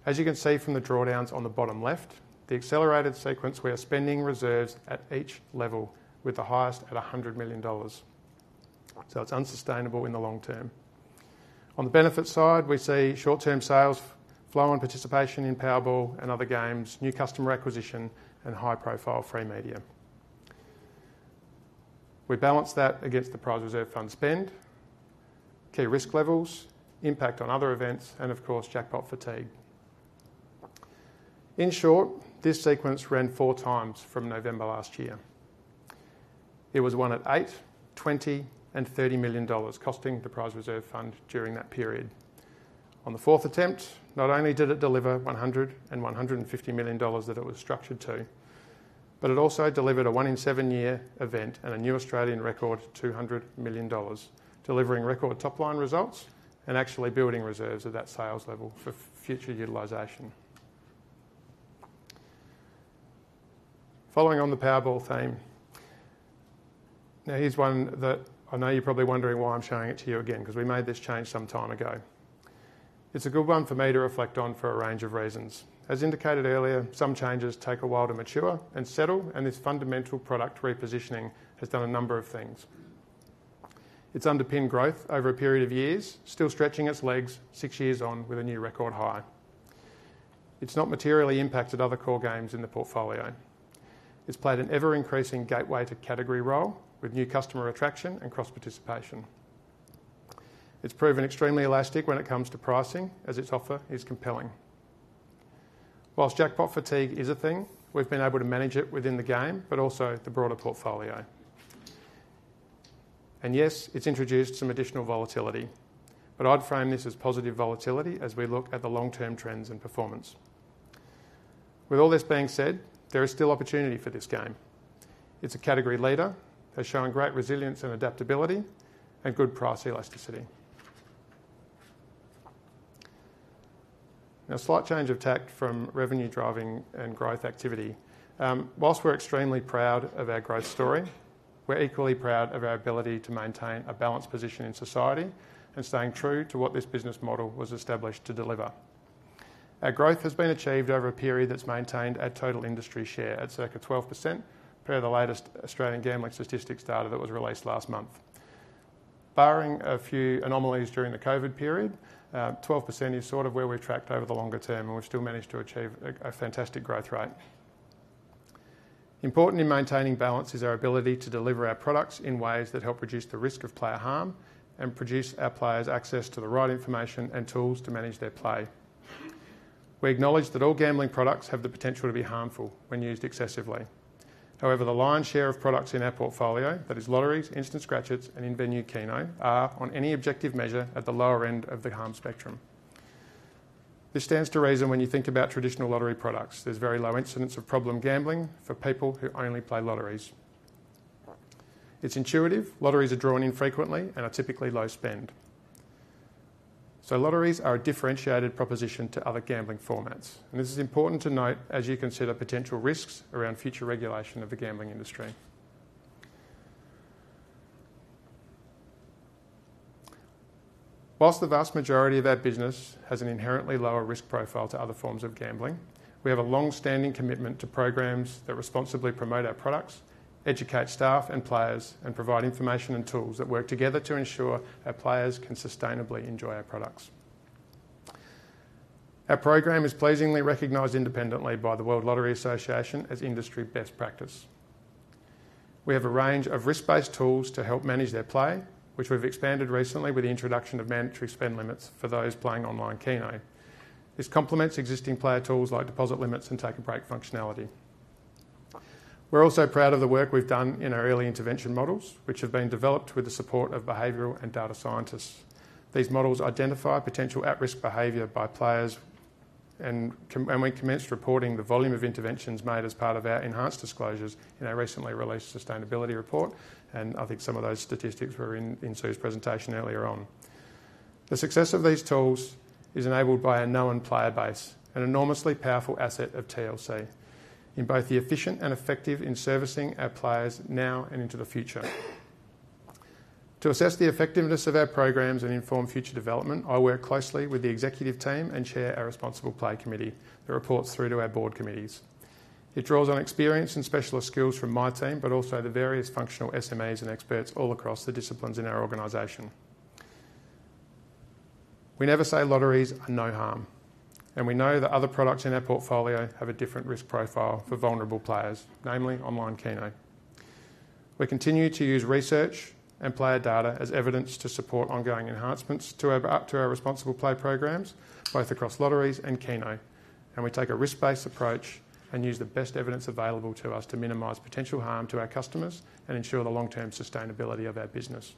As you can see from the drawdowns on the bottom left, the accelerated sequence, we are spending reserves at each level with the highest at a hundred million dollars. So it's unsustainable in the long term. On the benefit side, we see short-term sales flow and participation in Powerball and other games, new customer acquisition, and high-profile free media. We balance that against the prize reserve fund spend, key risk levels, impact on other events, and of course, jackpot fatigue. In short, this sequence ran four times from November last year. It was won at 8 million, 20 million, and 30 million dollars, costing the prize reserve fund during that period. On the fourth attempt, not only did it deliver 100 million dollars and AUD 150 million that it was structured to, but it also delivered a one-in-seven-year event and a new Australian record, 200 million dollars, delivering record top-line results and actually building reserves at that sales level for future utilization. Following on the Powerball theme, now, here's one that I know you're probably wondering why I'm showing it to you again, because we made this change some time ago. It's a good one for me to reflect on for a range of reasons. As indicated earlier, some changes take a while to mature and settle, and this fundamental product repositioning has done a number of things. It's underpinned growth over a period of years, still stretching its legs six years on with a new record high. It's not materially impacted other core games in the portfolio. It's played an ever-increasing gateway to category role, with new customer attraction and cross participation. It's proven extremely elastic when it comes to pricing, as its offer is compelling. Whilst jackpot fatigue is a thing, we've been able to manage it within the game, but also the broader portfolio. And yes, it's introduced some additional volatility, but I'd frame this as positive volatility as we look at the long-term trends and performance. With all this being said, there is still opportunity for this game. It's a category leader, has shown great resilience and adaptability, and good price elasticity. Now, slight change of tack from revenue driving and growth activity. While we're extremely proud of our growth story, we're equally proud of our ability to maintain a balanced position in society and staying true to what this business model was established to deliver. Our growth has been achieved over a period that's maintained our total industry share at circa 12%, per the latest Australian gambling statistics data that was released last month. Barring a few anomalies during the COVID period, 12% is sort of where we've tracked over the longer term, and we've still managed to achieve a fantastic growth rate. Important in maintaining balance is our ability to deliver our products in ways that help reduce the risk of player harm and produce our players access to the right information and tools to manage their play. We acknowledge that all gambling products have the potential to be harmful when used excessively. However, the lion's share of products in our portfolio, that is lotteries, instant scratchers, and in-venue keno, are, on any objective measure, at the lower end of the harm spectrum. This stands to reason when you think about traditional lottery products. There's very low incidence of problem gambling for people who only play lotteries. It's intuitive. Lotteries are drawn infrequently and are typically low spend.... Lotteries are a differentiated proposition to other gambling formats, and this is important to note as you consider potential risks around future regulation of the gambling industry. While the vast majority of our business has an inherently lower risk profile to other forms of gambling, we have a long-standing commitment to programs that responsibly promote our products, educate staff and players, and provide information and tools that work together to ensure our players can sustainably enjoy our products. Our program is pleasingly recognized independently by the World Lottery Association as industry best practice. We have a range of risk-based tools to help manage their play, which we've expanded recently with the introduction of mandatory spend limits for those playing online Keno. This complements existing player tools like deposit limits and take a break functionality. We're also proud of the work we've done in our early intervention models, which have been developed with the support of behavioral and data scientists. These models identify potential at-risk behavior by players and we commenced reporting the volume of interventions made as part of our enhanced disclosures in our recently released sustainability report, and I think some of those statistics were in Sue's presentation earlier on. The success of these tools is enabled by a known player base, an enormously powerful asset of TLC, in both the efficient and effective in servicing our players now and into the future. To assess the effectiveness of our programs and inform future development, I work closely with the executive team and chair our Responsible Play Committee that reports through to our board committees. It draws on experience and specialist skills from my team, but also the various functional SMAs and experts all across the disciplines in our organization. We never say lotteries are no harm, and we know that other products in our portfolio have a different risk profile for vulnerable players, namely online Keno. We continue to use research and player data as evidence to support ongoing enhancements to our responsible play programs, both across lotteries and Keno. We take a risk-based approach and use the best evidence available to us to minimize potential harm to our customers and ensure the long-term sustainability of our business.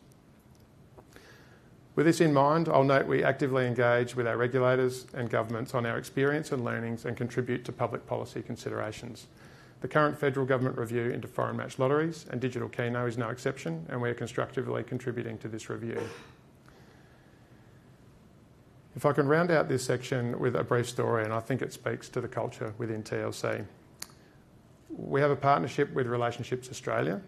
With this in mind, I'll note we actively engage with our regulators and governments on our experience and learnings and contribute to public policy considerations. The current federal government review into foreign matched lotteries and digital keno is no exception, and we are constructively contributing to this review. If I can round out this section with a brief story, and I think it speaks to the culture within TLC. We have a partnership with Relationships Australia,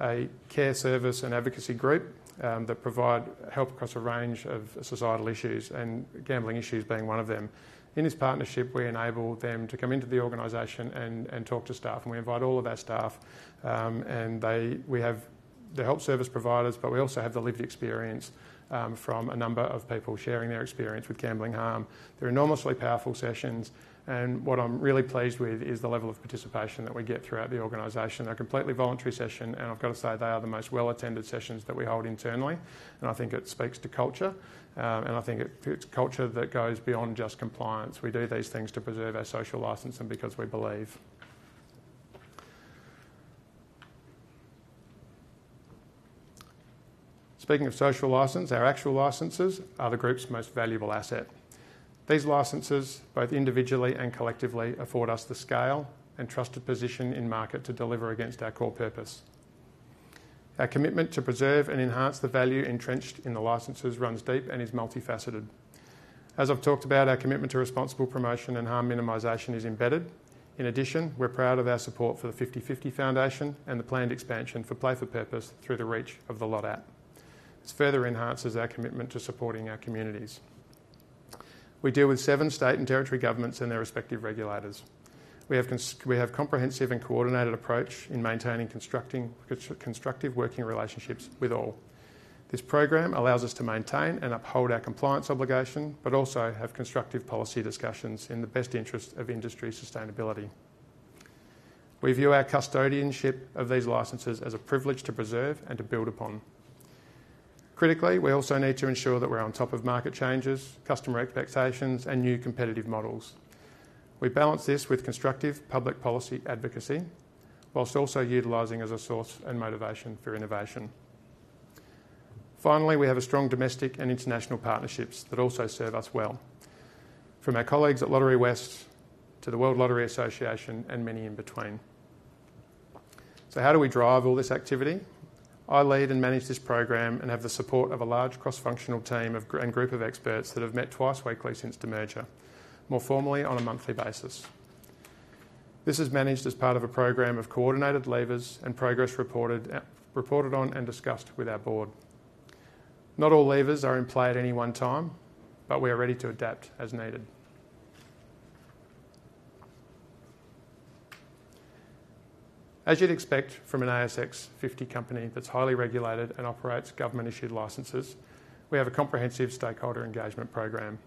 a care service and advocacy group that provide help across a range of societal issues and gambling issues being one of them. In this partnership, we enable them to come into the organization and talk to staff, and we invite all of our staff, and we have the help service providers, but we also have the lived experience from a number of people sharing their experience with gambling harm. They're enormously powerful sessions, and what I'm really pleased with is the level of participation that we get throughout the organization. A completely voluntary session, and I've got to say they are the most well-attended sessions that we hold internally, and I think it speaks to culture, and I think it, it's culture that goes beyond just compliance. We do these things to preserve our social license and because we believe. Speaking of social license, our actual licenses are the group's most valuable asset. These licenses, both individually and collectively, afford us the scale and trusted position in market to deliver against our core purpose. Our commitment to preserve and enhance the value entrenched in the licenses runs deep and is multifaceted. As I've talked about, our commitment to responsible promotion and harm minimization is embedded. In addition, we're proud of our support for the 50-50 Foundation and the planned expansion for Play for Purpose through the reach of The Lott app. This further enhances our commitment to supporting our communities. We deal with seven state and territory governments and their respective regulators. We have a comprehensive and coordinated approach in maintaining constructive working relationships with all. This program allows us to maintain and uphold our compliance obligation, but also have constructive policy discussions in the best interest of industry sustainability. We view our custodianship of these licenses as a privilege to preserve and to build upon. Critically, we also need to ensure that we're on top of market changes, customer expectations, and new competitive models. We balance this with constructive public policy advocacy, whilst also utilizing as a source and motivation for innovation. Finally, we have a strong domestic and international partnerships that also serve us well, from our colleagues at Lotterywest to the World Lottery Association and many in between. So how do we drive all this activity? I lead and manage this program and have the support of a large cross-functional team of and group of experts that have met twice weekly since the merger, more formally on a monthly basis. This is managed as part of a program of coordinated levers and progress reported on and discussed with our board. Not all levers are in play at any one time, but we are ready to adapt as needed. As you'd expect from an ASX fifty company that's highly regulated and operates government-issued licenses, we have a comprehensive stakeholder engagement program.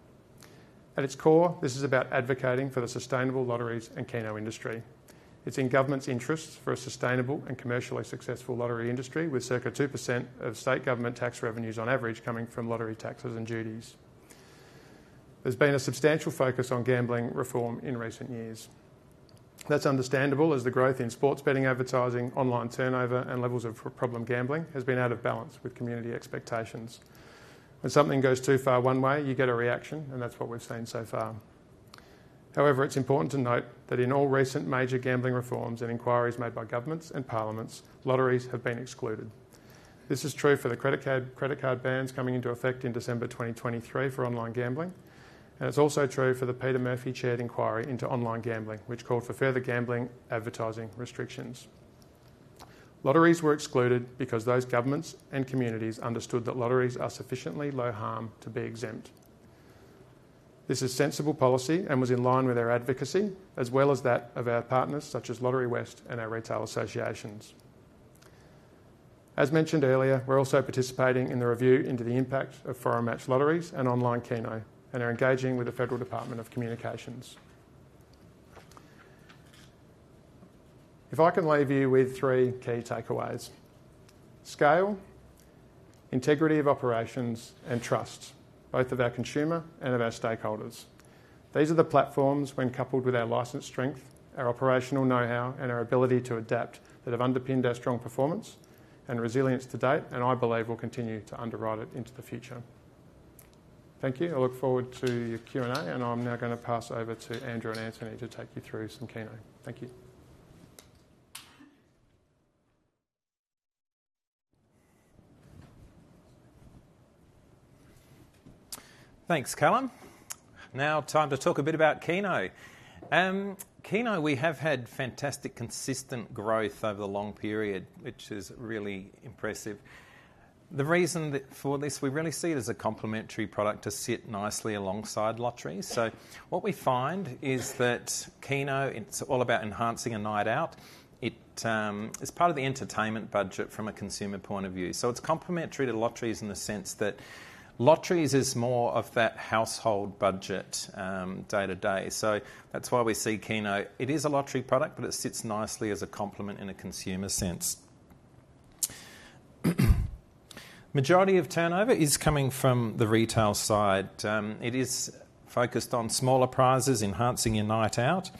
At its core, this is about advocating for the sustainable lotteries and keno industry. It's in government's interests for a sustainable and commercially successful lottery industry, with circa 2% of state government tax revenues on average coming from lottery taxes and duties. There's been a substantial focus on gambling reform in recent years. That's understandable as the growth in sports betting, advertising, online turnover, and levels of problem gambling has been out of balance with community expectations. When something goes too far one way, you get a reaction, and that's what we've seen so far. However, it's important to note that in all recent major gambling reforms and inquiries made by governments and parliaments, lotteries have been excluded. This is true for the credit card bans coming into effect in December twenty twenty-three for online gambling, and it's also true for the Peta Murphy-chaired inquiry into online gambling, which called for further gambling advertising restrictions. Lotteries were excluded because those governments and communities understood that lotteries are sufficiently low harm to be exempt. This is sensible policy and was in line with our advocacy, as well as that of our partners, such as Lotterywest and our retail associations. As mentioned earlier, we're also participating in the review into the impact of foreign match lotteries and online Keno, and are engaging with the Federal Department of Communications. If I can leave you with three key takeaways: scale, integrity of operations, and trust, both of our consumer and of our stakeholders. These are the platforms when coupled with our license strength, our operational know-how, and our ability to adapt, that have underpinned our strong performance and resilience to date, and I believe will continue to underwrite it into the future. Thank you. I look forward to your Q&A, and I'm now going to pass over to Andrew and Antony to take you through some Keno. Thank you. Thanks, Callum. Now time to talk a bit about Keno. Keno, we have had fantastic, consistent growth over the long period, which is really impressive. The reason that for this, we really see it as a complementary product to sit nicely alongside lottery. So what we find is that Keno, it's all about enhancing a night out. It is part of the entertainment budget from a consumer point of view. So it's complementary to lotteries in the sense that lotteries is more of that household budget, day to day. So that's why we see Keno. It is a lottery product, but it sits nicely as a complement in a consumer sense. Majority of turnover is coming from the retail side. It is focused on smaller prizes, enhancing your night out.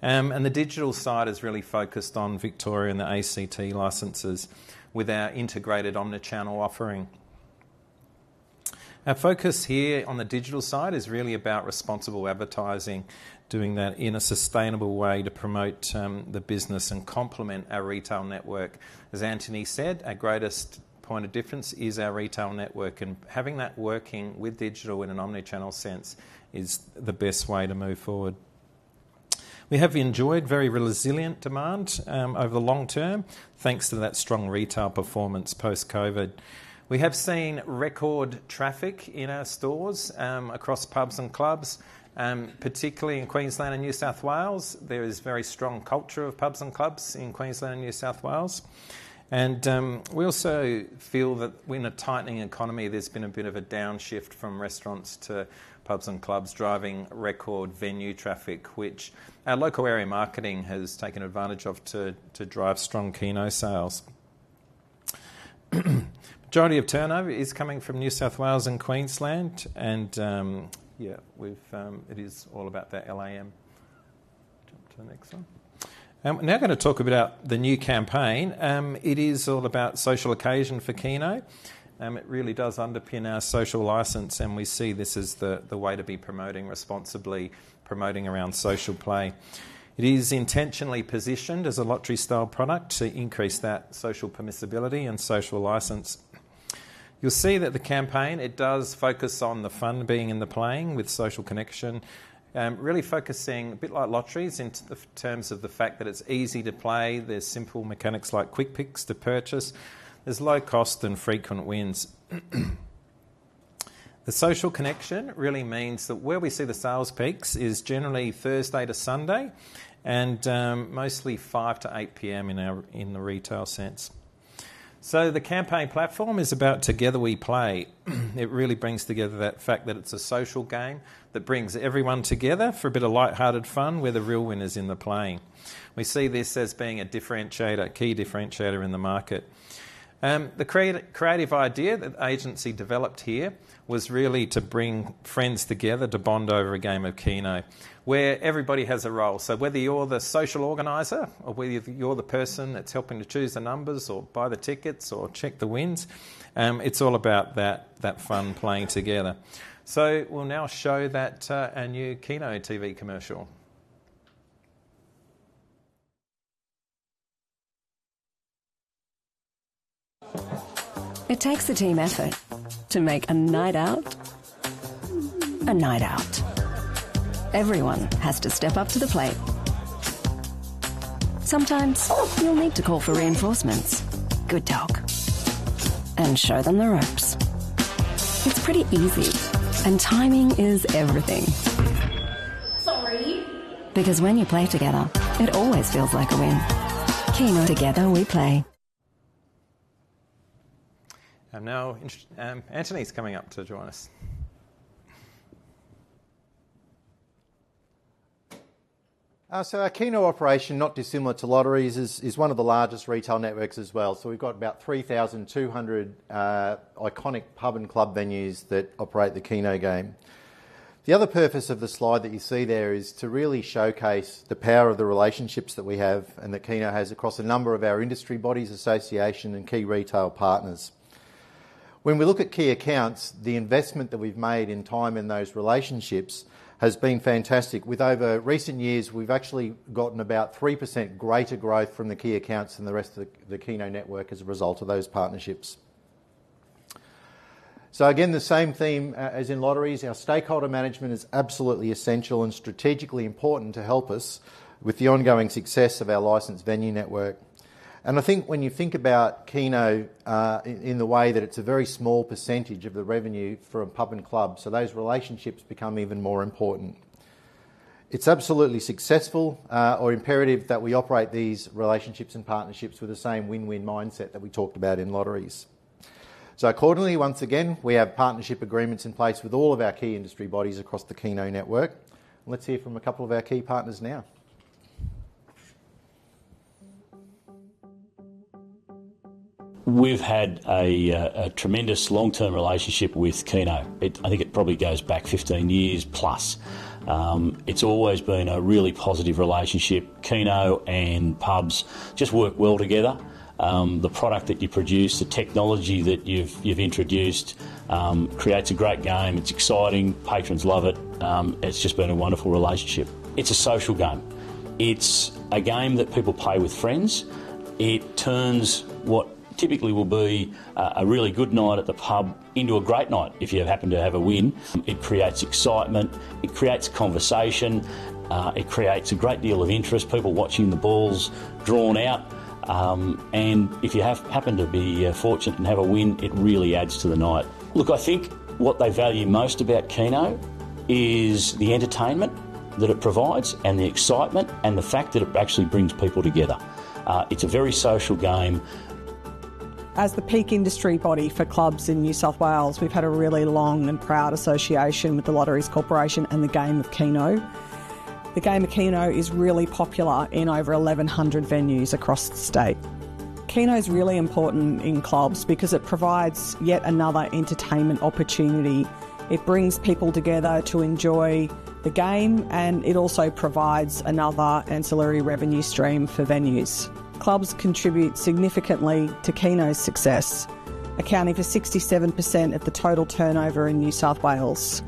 And the digital side is really focused on Victoria and the ACT licenses with our integrated omni-channel offering. Our focus here on the digital side is really about responsible advertising, doing that in a sustainable way to promote the business and complement our retail network. As Anthony said, our greatest point of difference is our retail network, and having that working with digital in an omni-channel sense is the best way to move forward. We have enjoyed very resilient demand over the long term, thanks to that strong retail performance post-COVID. We have seen record traffic in our stores across pubs and clubs particularly in Queensland and New South Wales. There is very strong culture of pubs and clubs in Queensland and New South Wales. We also feel that we're in a tightening economy. There's been a bit of a downshift from restaurants to pubs and clubs, driving record venue traffic, which our Local Area Marketing has taken advantage of to drive strong Keno sales. Majority of turnover is coming from New South Wales and Queensland, and yeah, it is all about that LAM. Jump to the next one. I'm now going to talk about the new campaign. It is all about social occasion for Keno. It really does underpin our social license, and we see this as the way to be promoting responsibly, promoting around social play. It is intentionally positioned as a lottery-style product to increase that social permissibility and social license. You'll see that the campaign, it does focus on the fun being in the playing with social connection, really focusing, a bit like lotteries, into the terms of the fact that it's easy to play. There's simple mechanics like Quick Picks to purchase. There's low cost and frequent wins. The social connection really means that where we see the sales peaks is generally Thursday to Sunday and, mostly 5 to 8 P.M. in our, in the retail sense. So the campaign platform is about Together We Play. It really brings together that fact that it's a social game that brings everyone together for a bit of lighthearted fun where the real win is in the playing. We see this as being a differentiator, key differentiator in the market. The creative idea that the agency developed here was really to bring friends together to bond over a game of Keno, where everybody has a role. Whether you're the social organizer or whether you're the person that's helping to choose the numbers, or buy the tickets, or check the wins, it's all about that fun playing together. We'll now show that our new Keno TV commercial. It takes a team effort to make a night out a night out. Everyone has to step up to the plate. Sometimes you'll need to call for reinforcements, good dog, and show them the ropes. It's pretty easy, and timing is everything. Sorry! Because when you play together, it always feels like a win. Keno, together we play. Now, Anthony's coming up to join us. So our Keno operation, not dissimilar to lotteries, is one of the largest retail networks as well. So we've got about 3,200 iconic pub and club venues that operate the Keno game. The other purpose of the slide that you see there is to really showcase the power of the relationships that we have and that Keno has across a number of our industry bodies, association, and key retail partners. When we look at key accounts, the investment that we've made in time in those relationships has been fantastic. With over recent years, we've actually gotten about 3% greater growth from the key accounts than the rest of the Keno network as a result of those partnerships. So again, the same theme as in Lotteries, our stakeholder management is absolutely essential and strategically important to help us with the ongoing success of our licensed venue network. And I think when you think about Keno in the way that it's a very small percentage of the revenue for a pub and club, so those relationships become even more important. It's absolutely successful or imperative that we operate these relationships and partnerships with the same win-win mindset that we talked about in Lotteries. So accordingly, once again, we have partnership agreements in place with all of our key industry bodies across the Keno network. Let's hear from a couple of our key partners now. We've had a tremendous long-term relationship with Keno. It-- I think it probably goes back fifteen years plus. It's always been a really positive relationship. Keno and pubs just work well together. The product that you produce, the technology that you've introduced, creates a great game. It's exciting. Patrons love it. It's just been a wonderful relationship. It's a social game. It's a game that people play with friends. It turns what typically will be a really good night at the pub into a great night, if you happen to have a win. It creates excitement, it creates conversation, it creates a great deal of interest, people watching the balls drawn out, and if you happen to be fortunate and have a win, it really adds to the night. Look, I think what they value most about Keno is the entertainment that it provides and the excitement, and the fact that it actually brings people together. It's a very social game. As the peak industry body for clubs in New South Wales, we've had a really long and proud association with The Lottery Corporation and the game of Keno. The game of Keno is really popular in over 1,100 venues across the state. Keno is really important in clubs because it provides yet another entertainment opportunity. It brings people together to enjoy the game, and it also provides another ancillary revenue stream for venues. Clubs contribute significantly to Keno's success, accounting for 67% of the total turnover in New South Wales.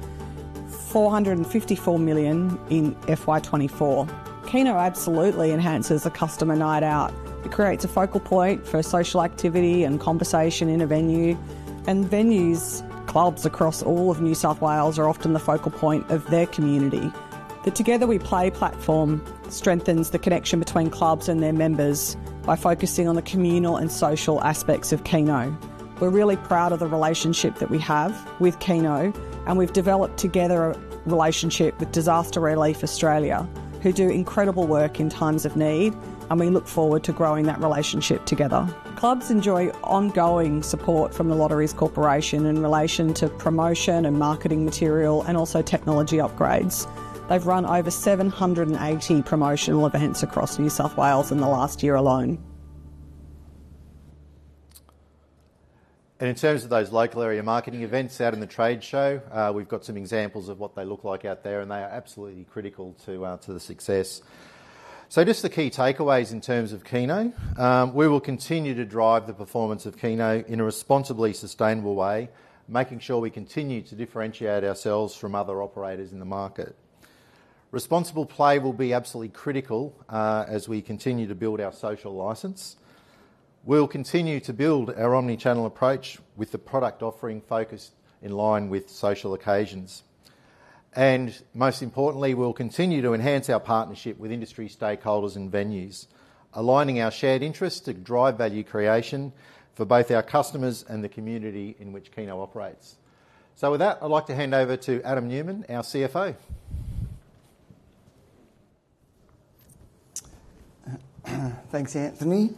454 million in FY 2024. Keno absolutely enhances a customer night out. It creates a focal point for social activity and conversation in a venue, and venues, clubs across all of New South Wales are often the focal point of their community. The Together We Play platform strengthens the connection between clubs and their members by focusing on the communal and social aspects of Keno. We're really proud of the relationship that we have with Keno, and we've developed together a relationship with Disaster Relief Australia, who do incredible work in times of need, and we look forward to growing that relationship together. Clubs enjoy ongoing support from the Lottery Corporation in relation to promotion and marketing material, and also technology upgrades. They've run over 780 promotional events across New South Wales in the last year alone. And in terms of those local area marketing events out in the trade show, we've got some examples of what they look like out there, and they are absolutely critical to the success. So just the key takeaways in terms of Keno: We will continue to drive the performance of Keno in a responsibly sustainable way, making sure we continue to differentiate ourselves from other operators in the market. Responsible play will be absolutely critical as we continue to build our social license. We'll continue to build our omni-channel approach with the product offering focus in line with social occasions. And most importantly, we'll continue to enhance our partnership with industry stakeholders and venues, aligning our shared interests to drive value creation for both our customers and the community in which Keno operates. So with that, I'd like to hand over to Adam Newman, our CFO. Thanks, Anthony.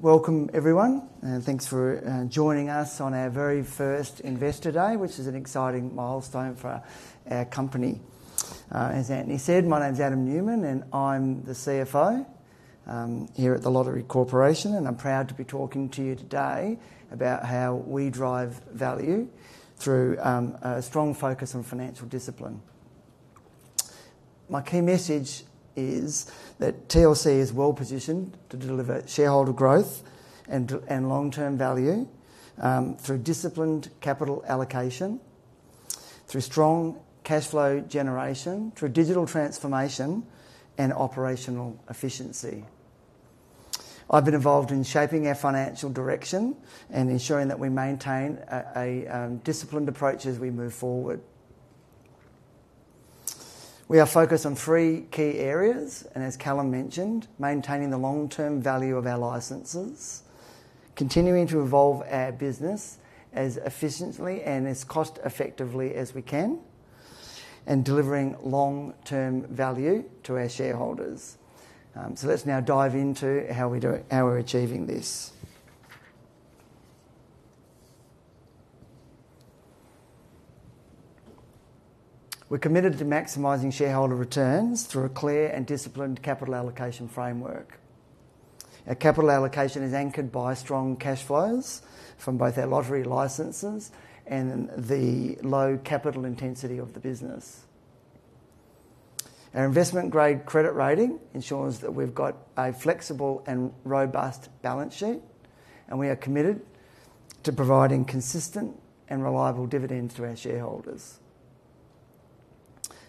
Welcome everyone, and thanks for joining us on our very first Investor Day, which is an exciting milestone for our company. As Anthony said, my name is Adam Newman, and I'm the CFO here at The Lottery Corporation, and I'm proud to be talking to you today about how we drive value through a strong focus on financial discipline. My key message is that TLC is well positioned to deliver shareholder growth and long-term value through disciplined capital allocation, through strong cash flow generation, through digital transformation and operational efficiency. I've been involved in shaping our financial direction and ensuring that we maintain a disciplined approach as we move forward. We are focused on three key areas, and as Callum mentioned, maintaining the long-term value of our licenses, continuing to evolve our business as efficiently and as cost-effectively as we can, and delivering long-term value to our shareholders. So let's now dive into how we're achieving this. We're committed to maximizing shareholder returns through a clear and disciplined capital allocation framework. Our capital allocation is anchored by strong cash flows from both our lottery licenses and the low capital intensity of the business. Our investment-grade credit rating ensures that we've got a flexible and robust balance sheet, and we are committed to providing consistent and reliable dividends to our shareholders.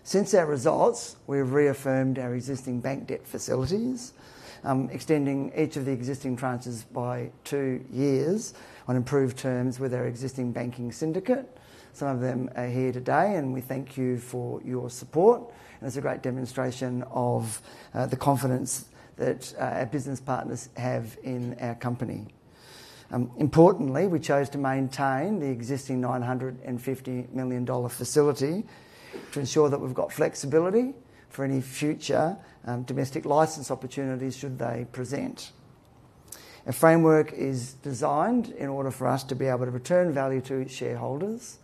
Since our results, we've reaffirmed our existing bank debt facilities, extending each of the existing tranches by two years on improved terms with our existing banking syndicate. Some of them are here today, and we thank you for your support, and it's a great demonstration of the confidence that our business partners have in our company. Importantly, we chose to maintain the existing 950 million dollar facility to ensure that we've got flexibility for any future domestic license opportunities should they present. Our framework is designed in order for us to be able to return value to its shareholders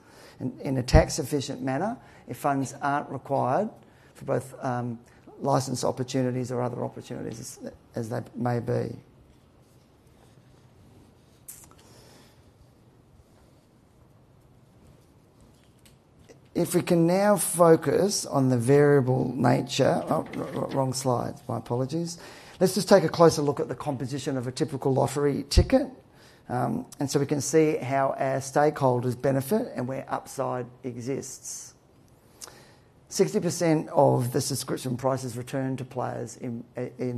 in a tax-efficient manner if funds aren't required for both license opportunities or other opportunities as they may be. If we can now focus on the variable nature. Oh, wrong slide. My apologies. Let's just take a closer look at the composition of a typical lottery ticket, and so we can see how our stakeholders benefit and where upside exists. 60% of the subscription price is returned to players in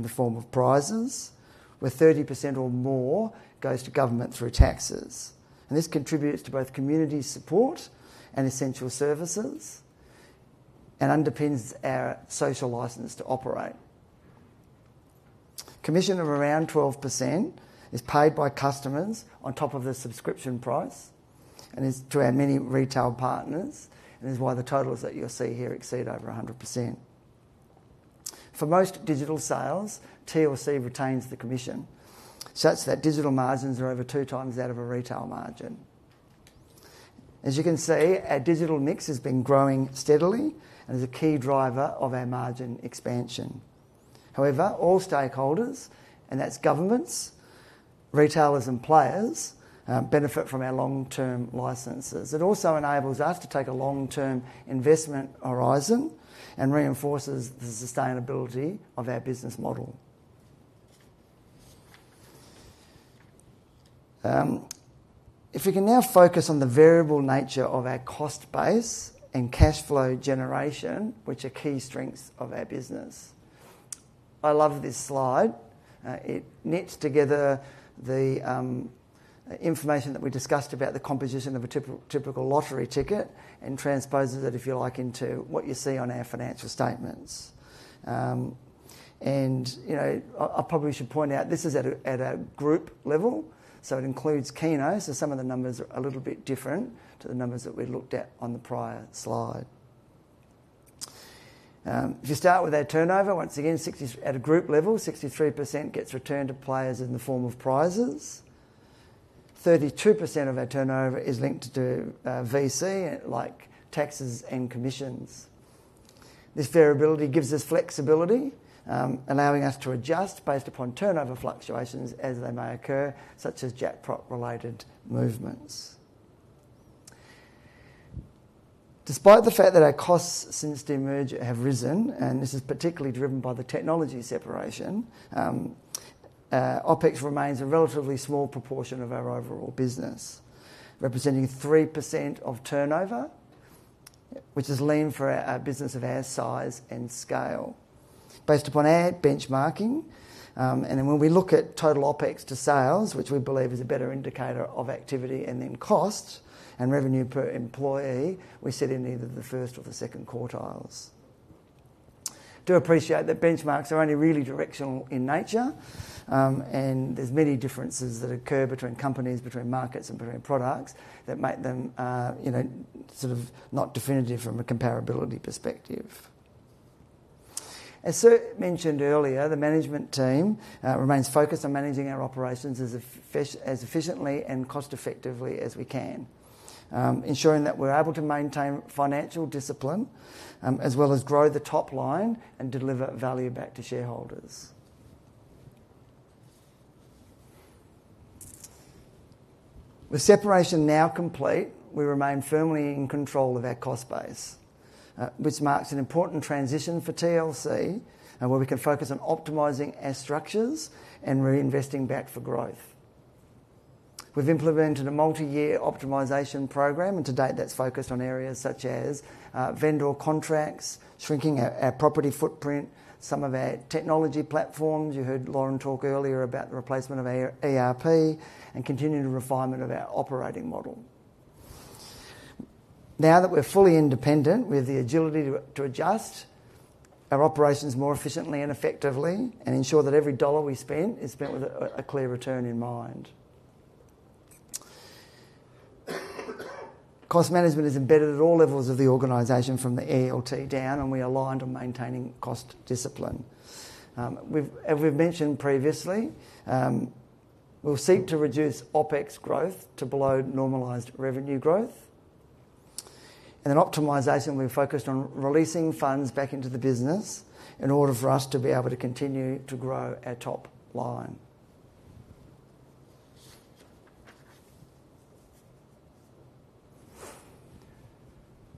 the form of prizes, where 30% or more goes to government through taxes, and this contributes to both community support and essential services and underpins our social license to operate. Commission of around 12% is paid by customers on top of the subscription price, and is to our many retail partners, and is why the totals that you'll see here exceed over 100%. For most digital sales, TLC retains the commission, such that digital margins are over two times that of a retail margin. As you can see, our digital mix has been growing steadily and is a key driver of our margin expansion. However, all stakeholders, and that's governments, retailers, and players, benefit from our long-term licenses. It also enables us to take a long-term investment horizon and reinforces the sustainability of our business model. If we can now focus on the variable nature of our cost base and cash flow generation, which are key strengths of our business. I love this slide. It knits together the information that we discussed about the composition of a typical lottery ticket and transposes it, if you like, into what you see on our financial statements. You know, I probably should point out, this is at a group level, so it includes Keno, so some of the numbers are a little bit different to the numbers that we looked at on the prior slide. If you start with our turnover, once again, at a group level, 63% gets returned to players in the form of prizes. 32% of our turnover is linked to variable costs, like taxes and commissions. This variability gives us flexibility, allowing us to adjust based upon turnover fluctuations as they may occur, such as jackpot-related movements. Despite the fact that our costs since demerger have risen, and this is particularly driven by the technology separation, OpEx remains a relatively small proportion of our overall business, representing 3% of turnover, which is lean for a business of our size and scale. Based upon our benchmarking, and then when we look at total OpEx to sales, which we believe is a better indicator of activity and then cost and revenue per employee, we sit in either the first or the second quartiles. do appreciate that benchmarks are only really directional in nature, and there's many differences that occur between companies, between markets, and between products that make them, you know, sort of not definitive from a comparability perspective. As Sue mentioned earlier, the management team remains focused on managing our operations as efficiently and cost-effectively as we can, ensuring that we're able to maintain financial discipline, as well as grow the top line and deliver value back to shareholders. With separation now complete, we remain firmly in control of our cost base, which marks an important transition for TLC, and where we can focus on optimizing our structures and reinvesting back for growth. We've implemented a multiyear optimization program, and to date, that's focused on areas such as vendor contracts, shrinking our property footprint, some of our technology platforms. You heard Lauren talk earlier about the replacement of our ERP and continuing refinement of our operating model. Now that we're fully independent, we have the agility to adjust our operations more efficiently and effectively and ensure that every dollar we spend is spent with a clear return in mind. Cost management is embedded at all levels of the organization, from the ELT down, and we are aligned on maintaining cost discipline. As we've mentioned previously, we'll seek to reduce OpEx growth to below normalized revenue growth. And then optimization, we've focused on releasing funds back into the business in order for us to be able to continue to grow our top line....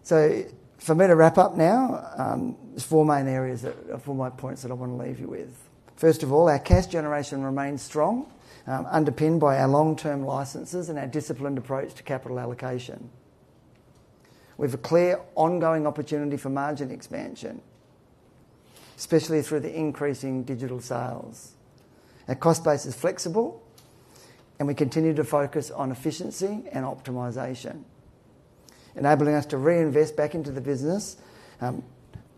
So for me to wrap up now, there's four main areas that, or four main points that I want to leave you with. First of all, our cash generation remains strong, underpinned by our long-term licenses and our disciplined approach to capital allocation. We've a clear, ongoing opportunity for margin expansion, especially through the increasing digital sales. Our cost base is flexible, and we continue to focus on efficiency and optimization, enabling us to reinvest back into the business,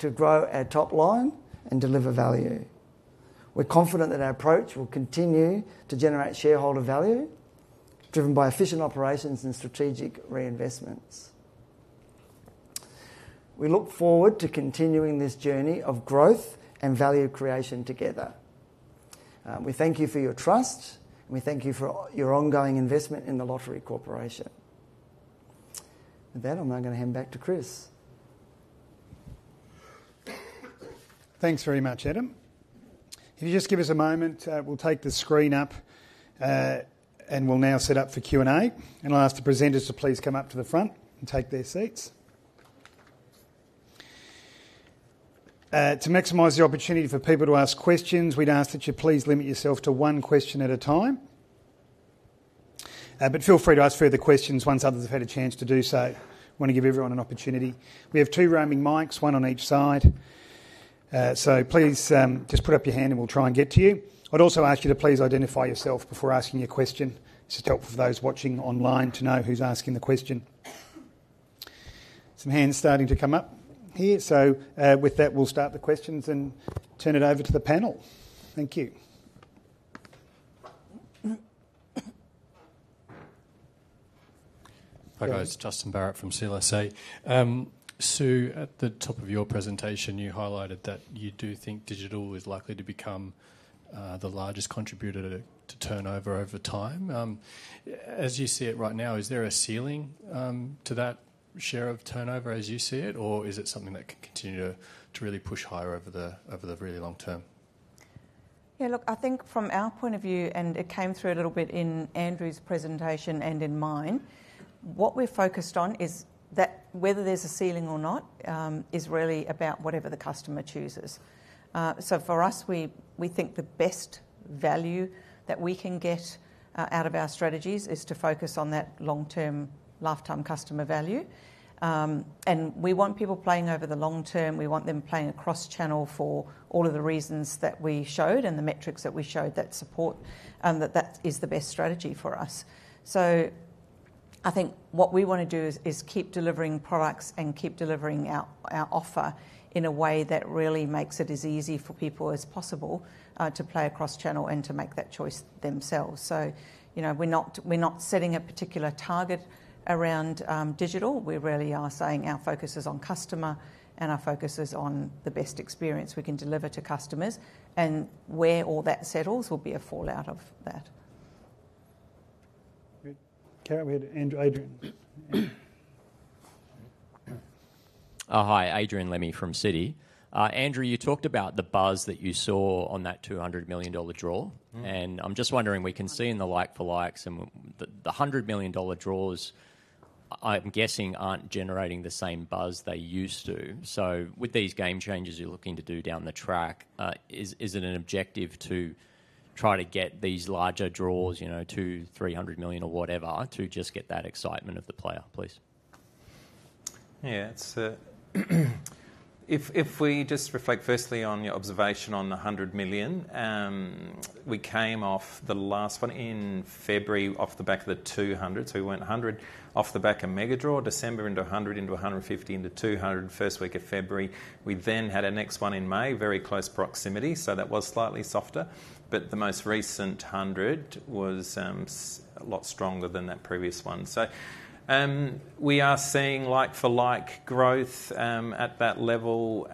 to grow our top line and deliver value. We're confident that our approach will continue to generate shareholder value, driven by efficient operations and strategic reinvestments. We look forward to continuing this journey of growth and value creation together. We thank you for your trust, and we thank you for your ongoing investment in The Lottery Corporation. With that, I'm now going to hand back to Chris. Thanks very much, Adam. Can you just give us a moment? We'll take the screen up, and we'll now set up for Q&A. And I'll ask the presenters to please come up to the front and take their seats. To maximize the opportunity for people to ask questions, we'd ask that you please limit yourself to one question at a time. But feel free to ask further questions once others have had a chance to do so. Want to give everyone an opportunity. We have two roaming mics, one on each side. So please, just put up your hand, and we'll try and get to you. I'd also ask you to please identify yourself before asking your question. It's just helpful for those watching online to know who's asking the question. Some hands starting to come up here, so, with that, we'll start the questions and turn it over to the panel. Thank you. Hi, guys. Justin Barrett from CLSA. Sue, at the top of your presentation, you highlighted that you do think digital is likely to become the largest contributor to turnover over time. As you see it right now, is there a ceiling to that share of turnover as you see it, or is it something that can continue to really push higher over the really long term? Yeah, look, I think from our point of view, and it came through a little bit in Andrew's presentation and in mine, what we're focused on is that whether there's a ceiling or not is really about whatever the customer chooses. So for us, we think the best value that we can get out of our strategies is to focus on that long-term lifetime customer value. And we want people playing over the long term. We want them playing across channel for all of the reasons that we showed and the metrics that we showed that support that that is the best strategy for us. So I think what we want to do is keep delivering products and keep delivering our offer in a way that really makes it as easy for people as possible to play across channel and to make that choice themselves. So, you know, we're not setting a particular target around digital. We really are saying our focus is on customer, and our focus is on the best experience we can deliver to customers, and where all that settles will be a fallout of that. Great. Carrie, we had Adrian. Oh, hi, Adrian Lemme from Citi. Andrew, you talked about the buzz that you saw on that 200 million-dollar draw. Mm. I'm just wondering, we can see in the like for likes and the 100 million dollar draws, I'm guessing, aren't generating the same buzz they used to. So with these game changes you're looking to do down the track, is it an objective to try to get these larger draws, you know, two, three hundred million or whatever, to just get that excitement of the player, please? Yeah, if we just reflect firstly on your observation on the hundred million, we came off the last one in February, off the back of the two hundred. So we went a hundred off the back of Mega Draw, December into a hundred, into a hundred and fifty, into two hundred, first week of February. We then had our next one in May, very close proximity, so that was slightly softer, but the most recent hundred was a lot stronger than that previous one. So we are seeing like for like growth at that level.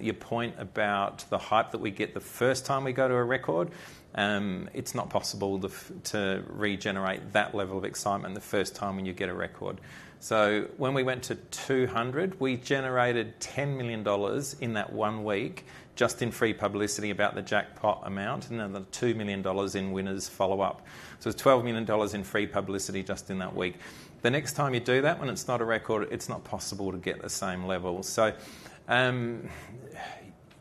Your point about the hype that we get the first time we go to a record, it's not possible to regenerate that level of excitement the first time when you get a record. So when we went to 200, we generated 10 million dollars in that one week just in free publicity about the jackpot amount, and then the 2 million dollars in winners follow up. So it's 12 million dollars in free publicity just in that week. The next time you do that, when it's not a record, it's not possible to get the same level. So,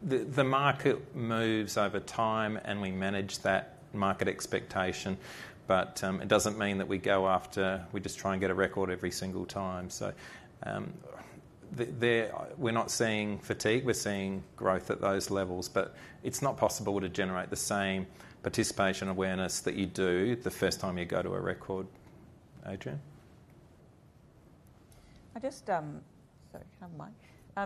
the market moves over time, and we manage that market expectation, but, it doesn't mean that we go after... we just try and get a record every single time. So, there, we're not seeing fatigue, we're seeing growth at those levels, but it's not possible to generate the same participation awareness that you do the first time you go to a record. Adrian? I just... Sorry, have my,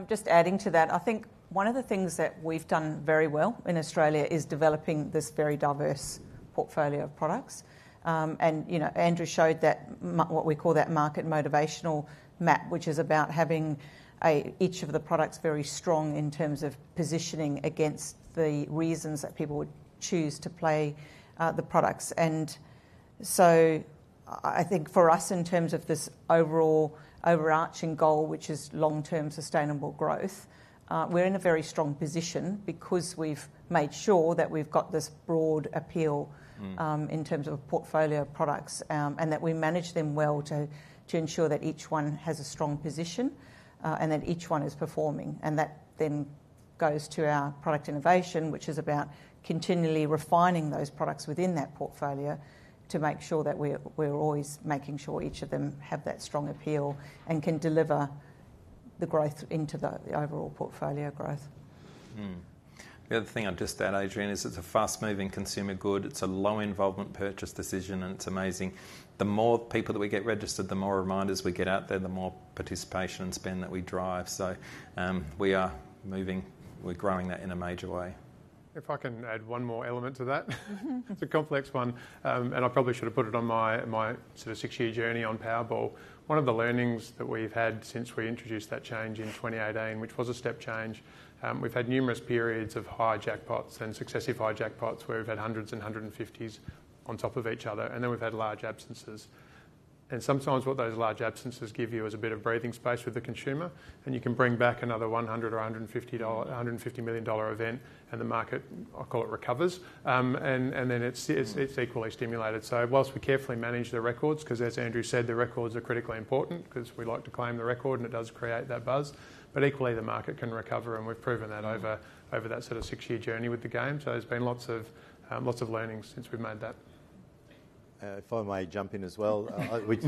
just adding to that, I think one of the things that we've done very well in Australia is developing this very diverse portfolio of products. And, you know, Andrew showed that map, what we call that market motivational map, which is about having each of the products very strong in terms of positioning against the reasons that people would choose to play the products. So I think for us, in terms of this overall overarching goal, which is long-term sustainable growth, we're in a very strong position because we've made sure that we've got this broad appeal- Mm... in terms of portfolio products, and that we manage them well to ensure that each one has a strong position, and that each one is performing, and that then goes to our product innovation, which is about continually refining those products within that portfolio to make sure that we're always making sure each of them have that strong appeal and can deliver the growth into the overall portfolio growth. The other thing I'd just add, Adrian, is it's a fast-moving consumer good. It's a low involvement purchase decision, and it's amazing. The more people that we get registered, the more reminders we get out there, the more participation and spend that we drive. So, we're growing that in a major way. If I can add one more element to that, Mm-hmm. It's a complex one, and I probably should have put it on my sort of six-year journey on Powerball. One of the learnings that we've had since we introduced that change in 2018, which was a step change. We've had numerous periods of high jackpots and successive high jackpots where we've had hundreds and hundred-and-fifties on top of each other, and then we've had large absences. And sometimes what those large absences give you is a bit of breathing space with the consumer, and you can bring back another 100 or 150 million dollar event, and the market, I call it, recovers, and then it's- Mm... it's equally stimulated. So while we carefully manage the records, 'cause as Andrew said, the records are critically important 'cause we like to claim the record, and it does create that buzz. But equally, the market can recover, and we've proven that- Mm over that sort of six-year journey with the game. So there's been lots of, lots of learnings since we've made that. If I may jump in as well, we, You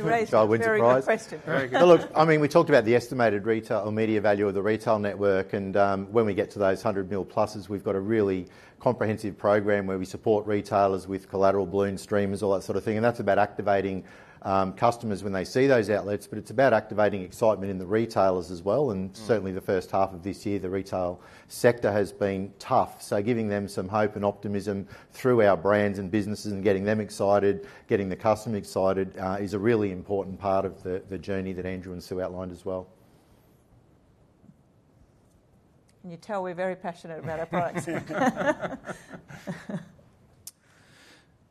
raised a very good question. Dial wins prize. Very good. Well, look, I mean, we talked about the estimated retail or media value of the retail network, and, when we get to those hundred mil pluses, we've got a really comprehensive program where we support retailers with collateral, balloons, streamers, all that sort of thing, and that's about activating customers when they see those outlets. But it's about activating excitement in the retailers as well, and- Mm Certainly the first half of this year, the retail sector has been tough. So giving them some hope and optimism through our brands and businesses and getting them excited, getting the customer excited, is a really important part of the journey that Andrew and Sue outlined as well. Can you tell we're very passionate about our products?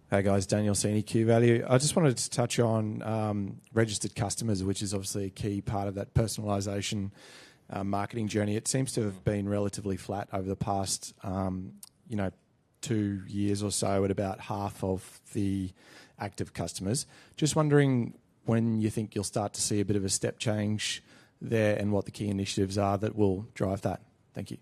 Hey, guys. Daniel Seeney, QVG. I just wanted to touch on, registered customers, which is obviously a key part of that personalization, marketing journey. It seems to- Mm have been relatively flat over the past, you know, two years or so, at about half of the active customers. Just wondering when you think you'll start to see a bit of a step change there, and what the key initiatives are that will drive that? Thank you.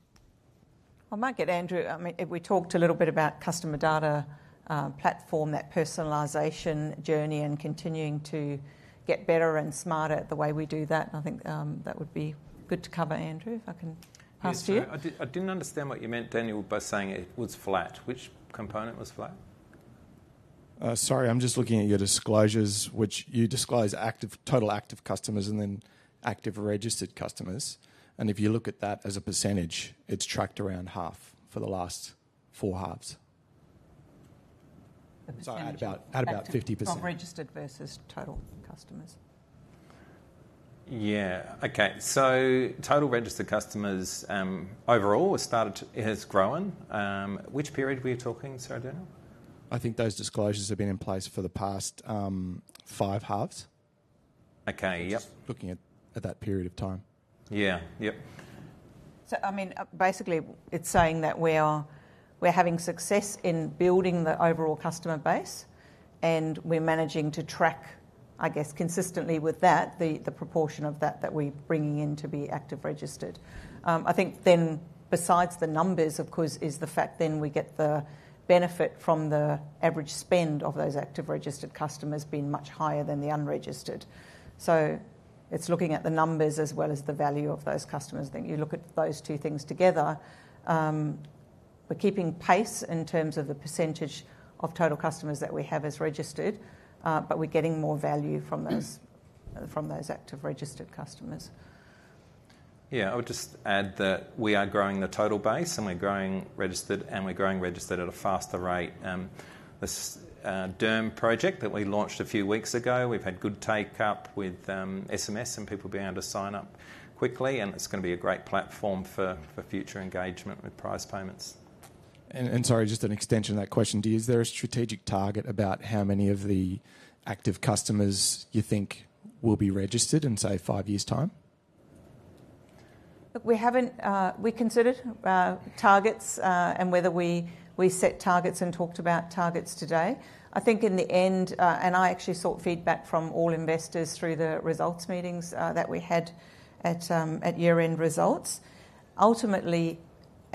I might get Andrew. I mean, if we talked a little bit about customer data platform, that personalization journey and continuing to get better and smarter at the way we do that, and I think that would be good to cover, Andrew, if I can pass to you. Yes. I did, I didn't understand what you meant, Daniel, by saying it was flat. Which component was flat? Sorry, I'm just looking at your disclosures, which you disclose active, total active customers and then active registered customers, and if you look at that as a percentage, it's tracked around half for the last four halves. The percentage- At about 50%. Oh, registered versus total customers. Yeah. Okay, so total registered customers, overall, it has grown. Which period were you talking, sorry, Daniel? I think those disclosures have been in place for the past five halves. Okay. Yep. Just looking at that period of time. Yeah. Yep. I mean, basically, it's saying that we're having success in building the overall customer base, and we're managing to track, I guess, consistently with that, the proportion of that that we're bringing in to be active registered. I think then, besides the numbers, of course, is the fact then we get the benefit from the average spend of those active registered customers being much higher than the unregistered. It's looking at the numbers as well as the value of those customers. You look at those two things together, we're keeping pace in terms of the percentage of total customers that we have as registered, but we're getting more value from those- Mm... from those active registered customers. Yeah, I would just add that we are growing the total base, and we're growing registered, and we're growing registered at a faster rate. This DERM project that we launched a few weeks ago, we've had good take-up with SMS and people being able to sign up quickly, and it's gonna be a great platform for future engagement with prize payments. Sorry, just an extension to that question. Is there a strategic target about how many of the active customers you think will be registered in, say, five years' time? Look, we haven't... we considered targets, and whether we set targets and talked about targets today. I think in the end, and I actually sought feedback from all investors through the results meetings that we had at year-end results. Ultimately,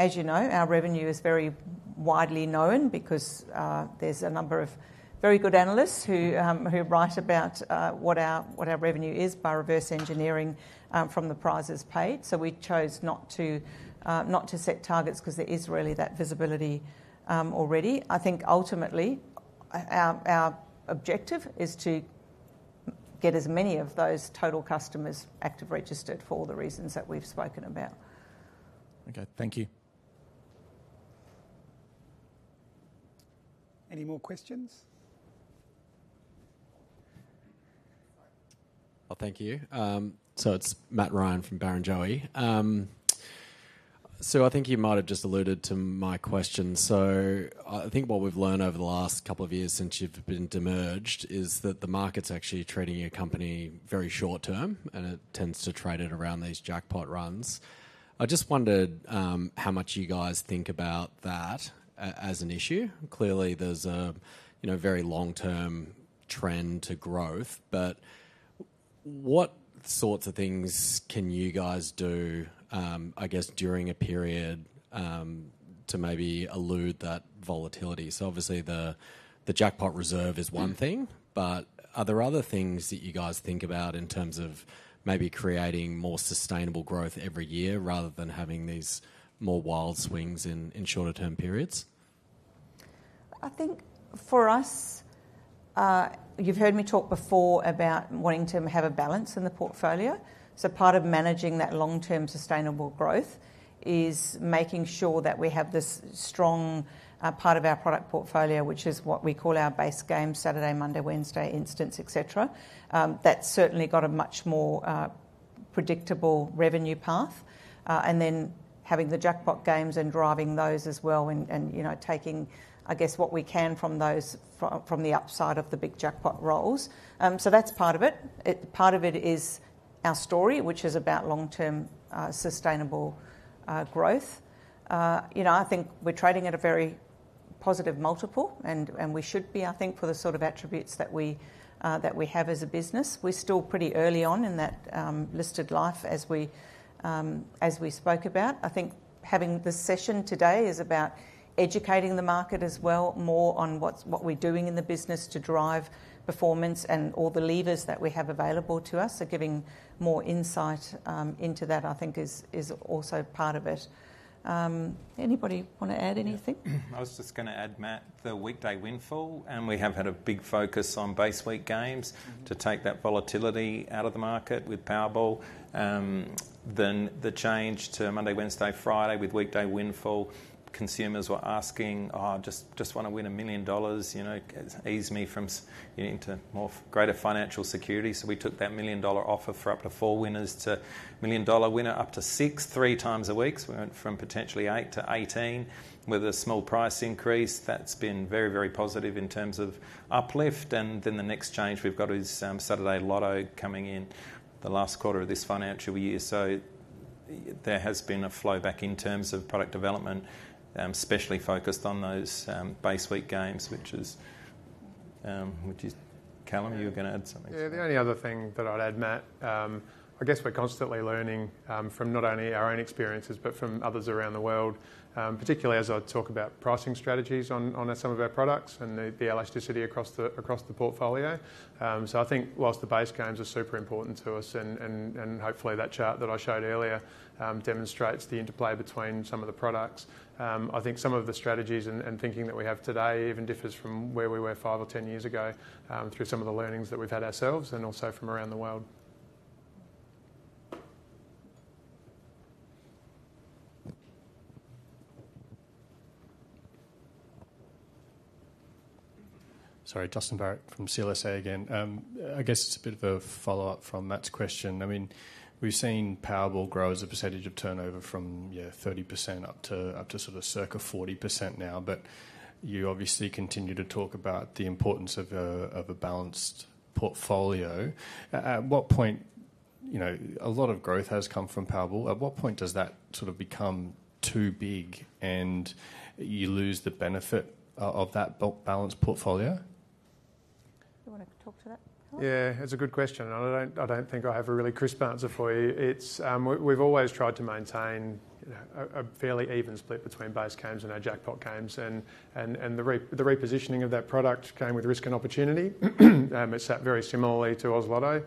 as you know, our revenue is very widely known because there's a number of very good analysts who write about what our revenue is by reverse engineering from the prizes paid. So we chose not to set targets 'cause there is really that visibility already. I think ultimately, our objective is to get as many of those total customers active registered for the reasons that we've spoken about. Okay, thank you. Any more questions? Thank you. It's Matt Ryan from Barrenjoey. I think you might have just alluded to my question. I think what we've learned over the last couple of years since you've been demerged is that the market's actually trading your company very short term, and it tends to trade it around these jackpot runs. I just wondered how much you guys think about that as an issue? Clearly, there's a, you know, very long-term trend to growth, but what sorts of things can you guys do, I guess during a period, to maybe elude that volatility? So obviously the jackpot reserve is one thing, but are there other things that you guys think about in terms of maybe creating more sustainable growth every year rather than having these more wild swings in shorter term periods? I think for us, you've heard me talk before about wanting to have a balance in the portfolio. So part of managing that long-term sustainable growth is making sure that we have this strong, part of our product portfolio, which is what we call our base game, Saturday, Monday, Wednesday, Instants, et cetera. That's certainly got a much more, predictable revenue path, and then having the jackpot games and driving those as well, and, you know, taking, I guess, what we can from those, from the upside of the big jackpot rolls. So that's part of it. Part of it is our story, which is about long-term, sustainable, growth. You know, I think we're trading at a very positive multiple, and, and we should be, I think, for the sort of attributes that we, that we have as a business. We're still pretty early on in that, listed life as we, as we spoke about. I think having this session today is about educating the market as well, more on what's, what we're doing in the business to drive performance, and all the levers that we have available to us. So giving more insight, into that, I think is, is also part of it. Anybody want to add anything? Yeah. I was just going to add, Matt, the Weekday Windfall, and we have had a big focus on base week games to take that volatility out of the market with Powerball. Then the change to Monday, Wednesday, Friday with Weekday Windfall, consumers were asking, "Oh, I just, just want to win a million dollars, you know, ease me from s- into more greater financial security." So we took that million-dollar offer for up to four winners to million-dollar winner up to six, three times a week. So we went from potentially eight to 18 with a small price increase. That's been very, very positive in terms of uplift. And then the next change we've got is, Saturday Lotto coming in the last quarter of this financial year. So there has been a flow back in terms of product development, especially focused on those base week games, which is, Callum, you were going to add something. Yeah, the only other thing that I'd add, Matt, I guess we're constantly learning from not only our own experiences, but from others around the world, particularly as I talk about pricing strategies on some of our products and the elasticity across the portfolio. So I think whilst the base games are super important to us, and hopefully that chart that I showed earlier demonstrates the interplay between some of the products, I think some of the strategies and thinking that we have today even differs from where we were five or 10 years ago, through some of the learnings that we've had ourselves and also from around the world. Sorry, Justin Barrett from CLSA again. I guess it's a bit of a follow-up from Matt's question. I mean, we've seen Powerball grow as a percentage of turnover from 30% up to sort of circa 40% now. But you obviously continue to talk about the importance of a balanced portfolio. At what point... You know, a lot of growth has come from Powerball. At what point does that sort of become too big, and you lose the benefit of that balanced portfolio? You want to talk to that, Callum? Yeah, it's a good question, and I don't think I have a really crisp answer for you. It's... We've always tried to maintain a fairly even split between base games and our jackpot games, and the repositioning of that product came with risk and opportunity. It sat very similarly to Oz Lotto,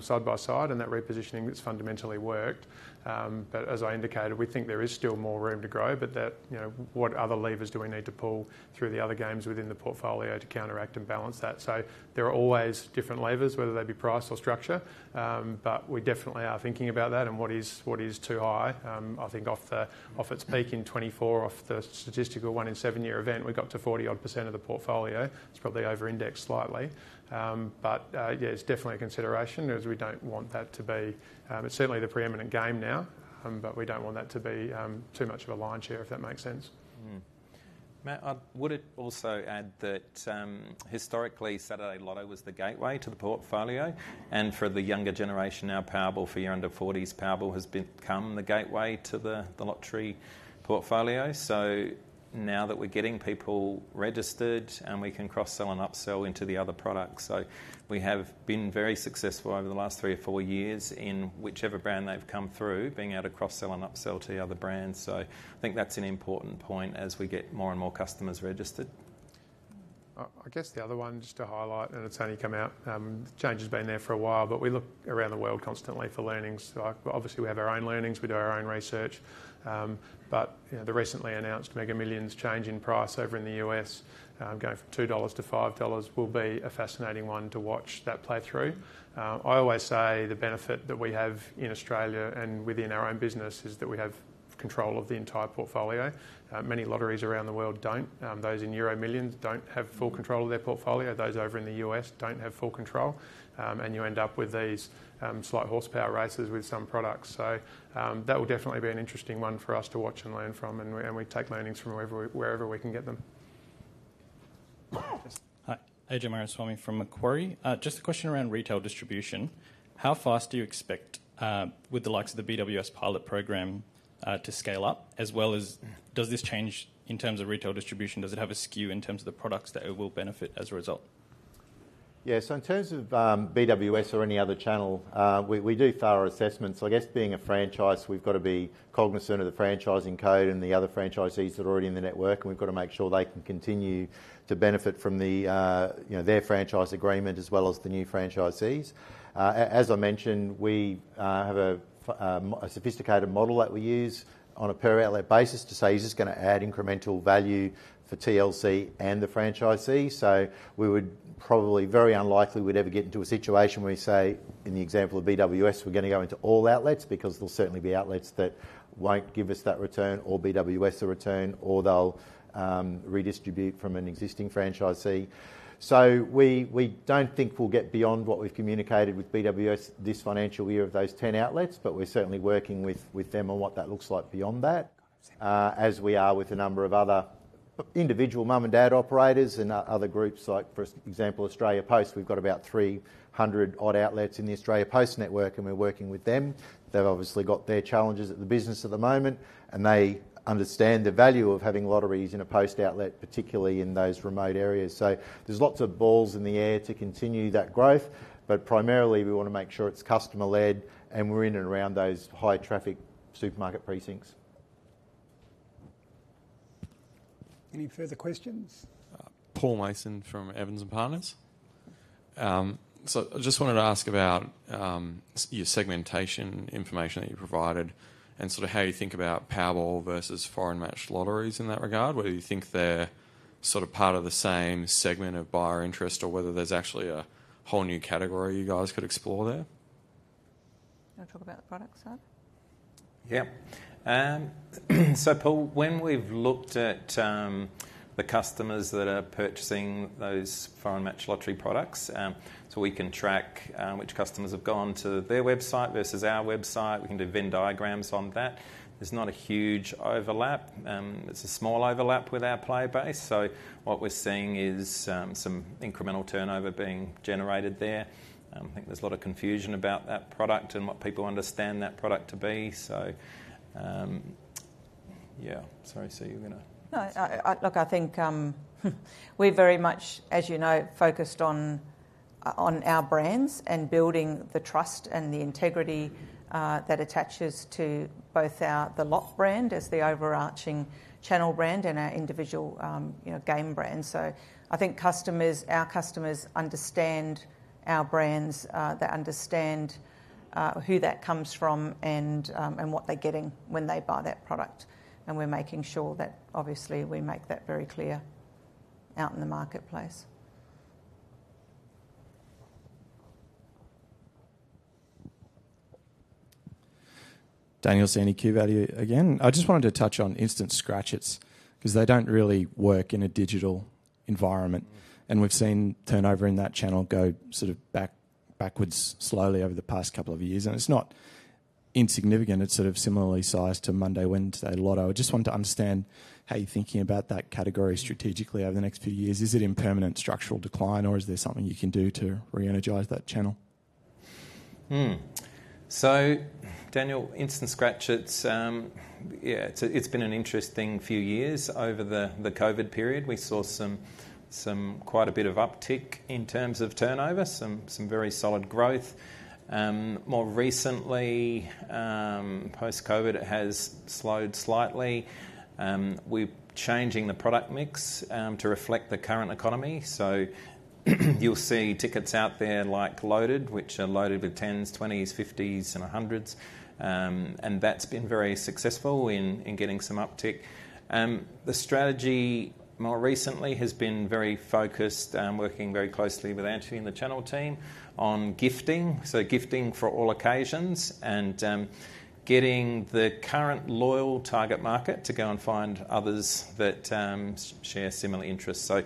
side by side, and that repositioning, it's fundamentally worked. But as I indicated, we think there is still more room to grow, but that, you know, what other levers do we need to pull through the other games within the portfolio to counteract and balance that? So there are always different levers, whether they be price or structure, but we definitely are thinking about that and what is too high. I think off its peak in 2024, off the statistical one-in-seven-year event, we got to 40-odd% of the portfolio. It's probably over-indexed slightly. But yeah, it's definitely a consideration, as we don't want that to be. It's certainly the preeminent game now, but we don't want that to be too much of a lion's share, if that makes sense. Mm-hmm. Matt, I would also add that, historically, Saturday Lotto was the gateway to the portfolio, and for the younger generation now, Powerball, for your under forties, Powerball has become the gateway to the lottery portfolio. So now that we're getting people registered, and we can cross-sell and upsell into the other products. So we have been very successful over the last three or four years in whichever brand they've come through, being able to cross-sell and upsell to the other brands. So I think that's an important point as we get more and more customers registered. I guess the other one, just to highlight, and it's only come out, change has been there for a while, but we look around the world constantly for learnings. Like, obviously, we have our own learnings, we do our own research, but, you know, the recently announced Mega Millions change in price over in the U.S., going from $2 to $5 will be a fascinating one to watch that play through. I always say the benefit that we have in Australia and within our own business is that we have control of the entire portfolio. Many lotteries around the world don't. Those in EuroMillions don't have full control of their portfolio. Those over in the U.S. don't have full control, and you end up with these, slight horsepower races with some products. So, that will definitely be an interesting one for us to watch and learn from, and we take learnings from wherever we can get them. Wow! Hi. Ajay Narayanaswamy from Macquarie. Just a question around retail distribution. How fast do you expect, with the likes of the BWS pilot program, to scale up, as well as does this change in terms of retail distribution, does it have a skew in terms of the products that it will benefit as a result? ... Yeah, so in terms of, BWS or any other channel, we do thorough assessments. I guess being a franchise, we've got to be cognizant of the franchising code and the other franchisees that are already in the network, and we've got to make sure they can continue to benefit from the, you know, their franchise agreement as well as the new franchisees. As I mentioned, we have a sophisticated model that we use on a per outlet basis to say, "Is this gonna add incremental value for TLC and the franchisee?" So we would probably very unlikely we'd ever get into a situation where we say, in the example of BWS, we're gonna go into all outlets, because there'll certainly be outlets that won't give us that return or BWS a return, or they'll redistribute from an existing franchisee. We don't think we'll get beyond what we've communicated with BWS this financial year of those 10 outlets, but we're certainly working with them on what that looks like beyond that, as we are with a number of other individual mom-and-dad operators and other groups. Like, for example, Australia Post, we've got about 300 odd outlets in the Australia Post network, and we're working with them. They've obviously got their challenges at the business at the moment, and they understand the value of having lotteries in a post outlet, particularly in those remote areas. There's lots of balls in the air to continue that growth, but primarily, we want to make sure it's customer-led and we're in and around those high-traffic supermarket precincts. Any further questions? Paul Mason from Evans and Partners. So I just wanted to ask about your segmentation information that you provided and sort of how you think about Powerball versus foreign matched lotteries in that regard. Whether you think they're sort of part of the same segment of buyer interest, or whether there's actually a whole new category you guys could explore there? You want to talk about the product side? Yeah. So, Paul, when we've looked at the customers that are purchasing those foreign matched lottery products, so we can track which customers have gone to their website versus our website. We can do Venn diagrams on that. There's not a huge overlap. There's a small overlap with our player base, so what we're seeing is some incremental turnover being generated there. I think there's a lot of confusion about that product and what people understand that product to be. So, yeah. Sorry, Sue, you were gonna- No, I look, I think we're very much, as you know, focused on our brands and building the trust and the integrity that attaches to both our The Lott brand as the overarching channel brand and our individual, you know, game brands. So I think customers, our customers understand our brands, they understand who that comes from and what they're getting when they buy that product, and we're making sure that obviously we make that very clear out in the marketplace. Daniel Sene, QVG Capital again. I just wanted to touch on instant scratchers, 'cause they don't really work in a digital environment, and we've seen turnover in that channel go sort of back, backwards slowly over the past couple of years, and it's not insignificant, it's sort of similarly sized to Monday, Wednesday Lotto. I just wanted to understand how you're thinking about that category strategically over the next few years. Is it in permanent structural decline, or is there something you can do to re-energize that channel? So Daniel, instant scratchers, it's been an interesting few years over the COVID period. We saw some quite a bit of uptick in terms of turnover, some very solid growth. More recently, post-COVID, it has slowed slightly. We're changing the product mix to reflect the current economy. So, you'll see tickets out there like Loaded, which are loaded with tens, twenties, fifties, and hundreds. And that's been very successful in getting some uptick. The strategy more recently has been very focused, working very closely with Anthony and the channel team on gifting. So gifting for all occasions and getting the current loyal target market to go and find others that share similar interests. So,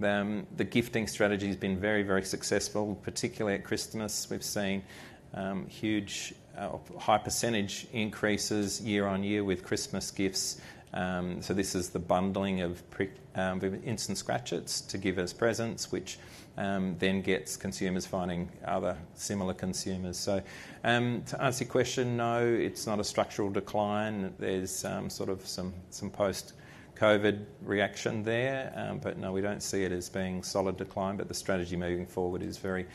the gifting strategy has been very, very successful, particularly at Christmas. We've seen huge high percentage increases year on year with Christmas gifts. So this is the bundling of instant scratchers to give as presents, which then gets consumers finding other similar consumers. So to answer your question, no, it's not a structural decline. There's sort of some post-Covid reaction there. But no, we don't see it as being solid decline, but the strategy moving forward is very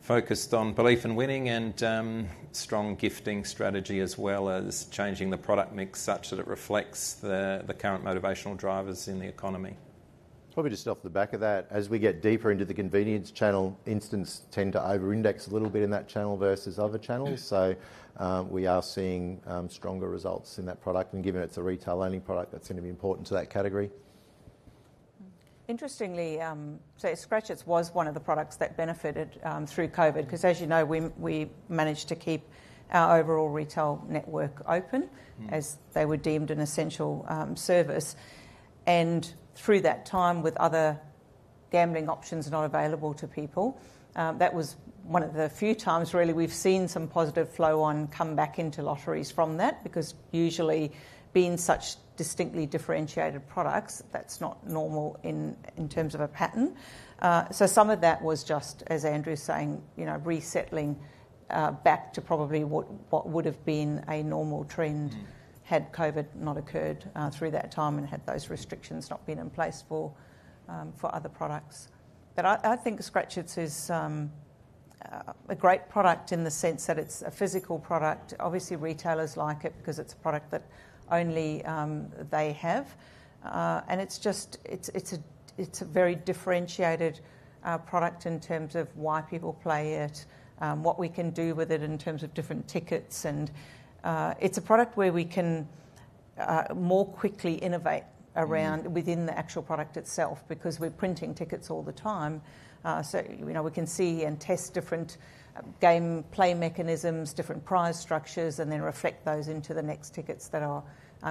focused on belief in winning and strong gifting strategy, as well as changing the product mix such that it reflects the current motivational drivers in the economy. Probably just off the back of that, as we get deeper into the convenience channel, Instants tend to over-index a little bit in that channel versus other channels. So, we are seeing stronger results in that product, and given it's a retail-only product, that's going to be important to that category. Interestingly, so scratchers was one of the products that benefited through COVID, 'cause as you know, we managed to keep our overall retail network open- Mm-hmm. -as they were deemed an essential service. And through that time, with other gambling options not available to people, that was one of the few times really, we've seen some positive flow-on come back into lotteries from that. Because usually being such distinctly differentiated products, that's not normal in terms of a pattern. So some of that was just, as Andrew is saying, you know, resettling back to probably what would have been a normal trend- Mm... had COVID not occurred through that time, and had those restrictions not been in place for other products. But I think Scratchers is a great product in the sense that it's a physical product. Obviously, retailers like it because it's a product that only they have. And it's just a very differentiated product in terms of why people play it, what we can do with it in terms of different tickets, and it's a product where we can more quickly innovate around- Mm-hmm -within the actual product itself because we're printing tickets all the time. So, you know, we can see and test different game play mechanisms, different prize structures, and then reflect those into the next tickets that are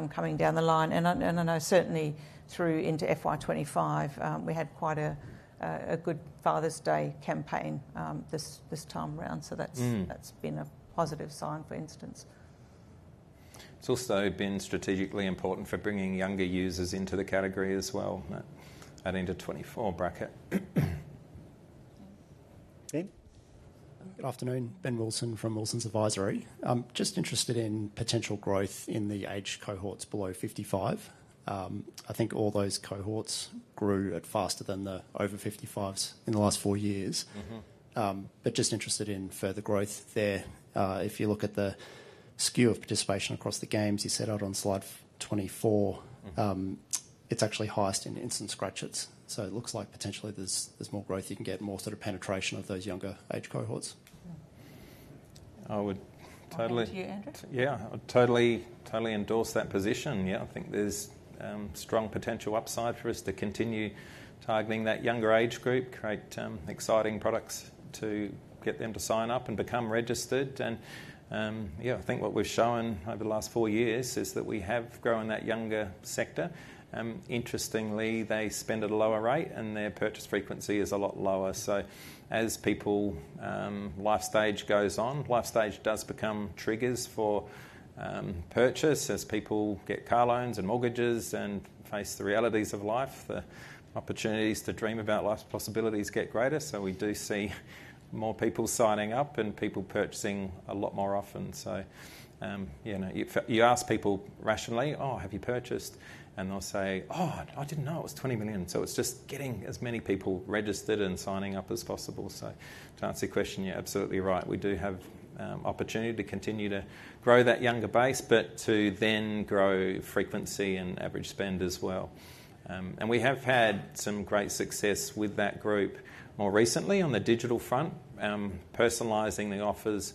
coming down the line. And I know certainly through into FY 2025, we had quite a good Father's Day campaign, this time round, so that's- Mm... that's been a positive sign, for instance. It's also been strategically important for bringing younger users into the category as well, that under twenty-four bracket. Ben? Good afternoon, Ben Wilson from Wilsons Advisory. I'm just interested in potential growth in the age cohorts below fifty-five. I think all those cohorts grew at faster than the over fifty-fives in the last four years. Mm-hmm. But just interested in further growth there. If you look at the skew of participation across the games you set out on slide twenty-four- Mm-hmm... it's actually highest in instant scratchers. So it looks like potentially there's more growth you can get, more sort of penetration of those younger age cohorts. I would totally- To you, Andrew? Yeah, I would totally, totally endorse that position. Yeah, I think there's strong potential upside for us to continue targeting that younger age group, create exciting products to get them to sign up and become registered. And yeah, I think what we've shown over the last four years is that we have grown that younger sector. Interestingly, they spend at a lower rate, and their purchase frequency is a lot lower. So as people life stage goes on, life stage does become triggers for purchase. As people get car loans and mortgages and face the realities of life, the opportunities to dream about life's possibilities get greater. So we do see more people signing up and people purchasing a lot more often. So, you know, if you ask people rationally, "Oh, have you purchased?" and they'll say, "Oh, I didn't know it was twenty million." So it's just getting as many people registered and signing up as possible. So to answer your question, you're absolutely right. We do have opportunity to continue to grow that younger base, but to then grow frequency and average spend as well. And we have had some great success with that group. More recently, on the digital front, personalizing the offers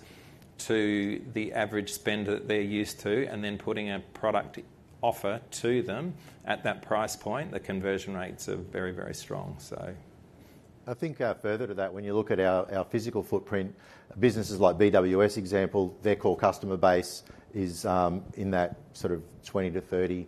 to the average spend that they're used to and then putting a product offer to them at that price point, the conversion rates are very, very strong, so. I think, further to that, when you look at our physical footprint, businesses like BWS example, their core customer base is, in that sort of 20-30 range,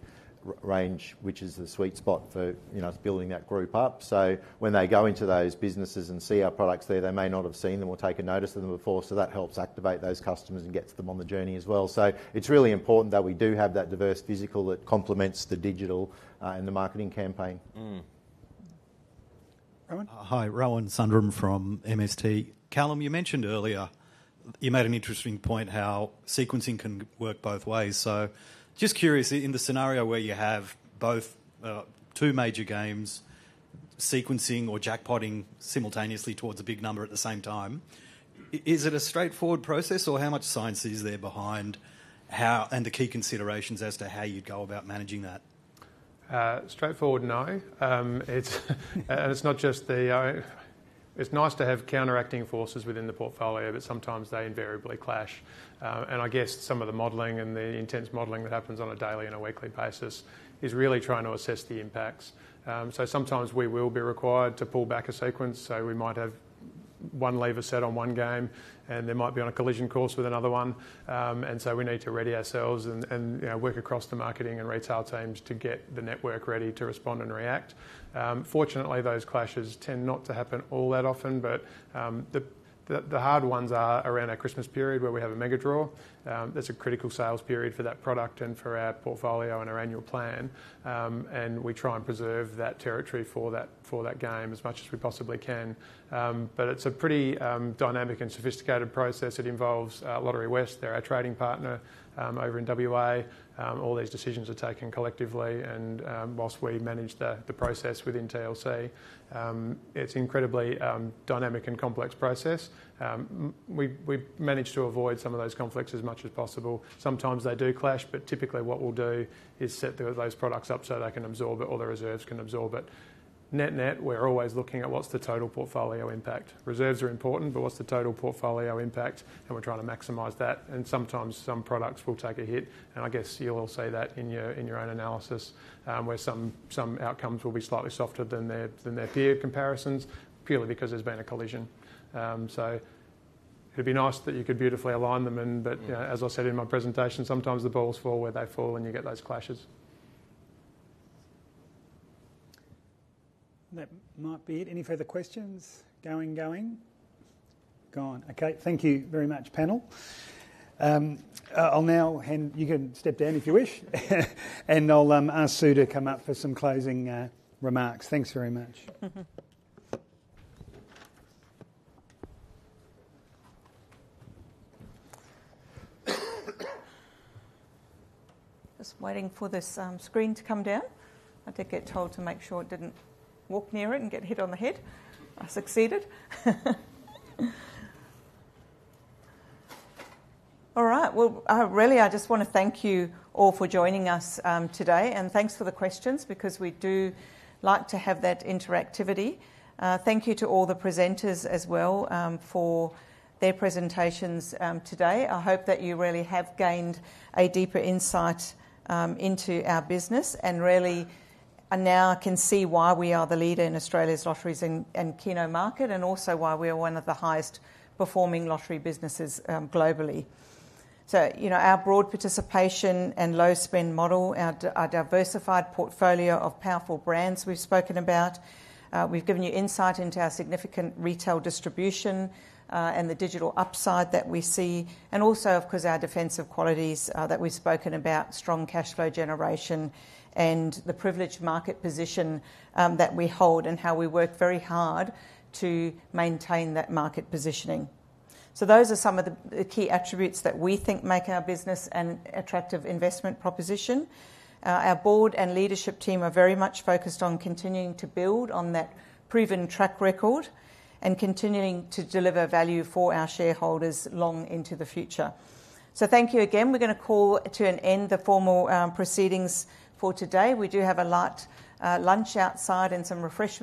which is the sweet spot for, you know, building that group up. So when they go into those businesses and see our products there, they may not have seen them or taken notice of them before, so that helps activate those customers and gets them on the journey as well. So it's really important that we do have that diverse physical that complements the digital, and the marketing campaign. Mm. Rowan? Hi Rowan Sundram from MST Financial. Callum, you mentioned earlier, you made an interesting point how sequencing can work both ways. So just curious, in the scenario where you have both, two major games, sequencing or jackpotting simultaneously towards a big number at the same time, is it a straightforward process, or how much science is there behind how... and the key considerations as to how you'd go about managing that? Straightforward, no. It's nice to have counteracting forces within the portfolio, but sometimes they invariably clash. I guess some of the modeling and the intense modeling that happens on a daily and a weekly basis is really trying to assess the impacts. Sometimes we will be required to pull back a sequence, so we might have one lever set on one game, and they might be on a collision course with another one. We need to ready ourselves and, you know, work across the marketing and retail teams to get the network ready to respond and react. Fortunately, those clashes tend not to happen all that often, but the hard ones are around our Christmas period, where we have a Mega Draw. That's a critical sales period for that product and for our portfolio and our annual plan, and we try and preserve that territory for that game as much as we possibly can, but it's a pretty dynamic and sophisticated process. It involves Lotterywest, they're our trading partner over in WA. All these decisions are taken collectively, and whilst we manage the process within TLC, it's incredibly dynamic and complex process. We've managed to avoid some of those conflicts as much as possible. Sometimes they do clash, but typically what we'll do is set those products up so they can absorb it, or the reserves can absorb it. Net-net, we're always looking at what's the total portfolio impact. Reserves are important, but what's the total portfolio impact? And we're trying to maximize that, and sometimes some products will take a hit. And I guess you'll see that in your own analysis, where some outcomes will be slightly softer than their peer comparisons, purely because there's been a collision. So it'd be nice that you could beautifully align them and, but- Mm... you know, as I said in my presentation, sometimes the balls fall where they fall, and you get those clashes. That might be it. Any further questions? Going, going, gone. Okay, thank you very much, panel. I'll now hand. You can step down if you wish. And I'll ask Sue to come up for some closing remarks. Thanks very much. Just waiting for this, screen to come down. I did get told to make sure I didn't walk near it and get hit on the head. I succeeded. All right. Well, really, I just want to thank you all for joining us, today, and thanks for the questions, because we do like to have that interactivity. Thank you to all the presenters as well, for their presentations, today. I hope that you really have gained a deeper insight, into our business and really, and now can see why we are the leader in Australia's lotteries and, and Keno market, and also why we are one of the highest performing lottery businesses, globally. So, you know, our broad participation and low spend model, our diversified portfolio of powerful brands we've spoken about. We've given you insight into our significant retail distribution, and the digital upside that we see, and also, of course, our defensive qualities, that we've spoken about, strong cash flow generation and the privileged market position, that we hold, and how we work very hard to maintain that market positioning. So those are some of the key attributes that we think make our business an attractive investment proposition. Our board and leadership team are very much focused on continuing to build on that proven track record and continuing to deliver value for our shareholders long into the future. So thank you again. We're going to call to an end the formal proceedings for today. We do have a light lunch outside and some refreshments-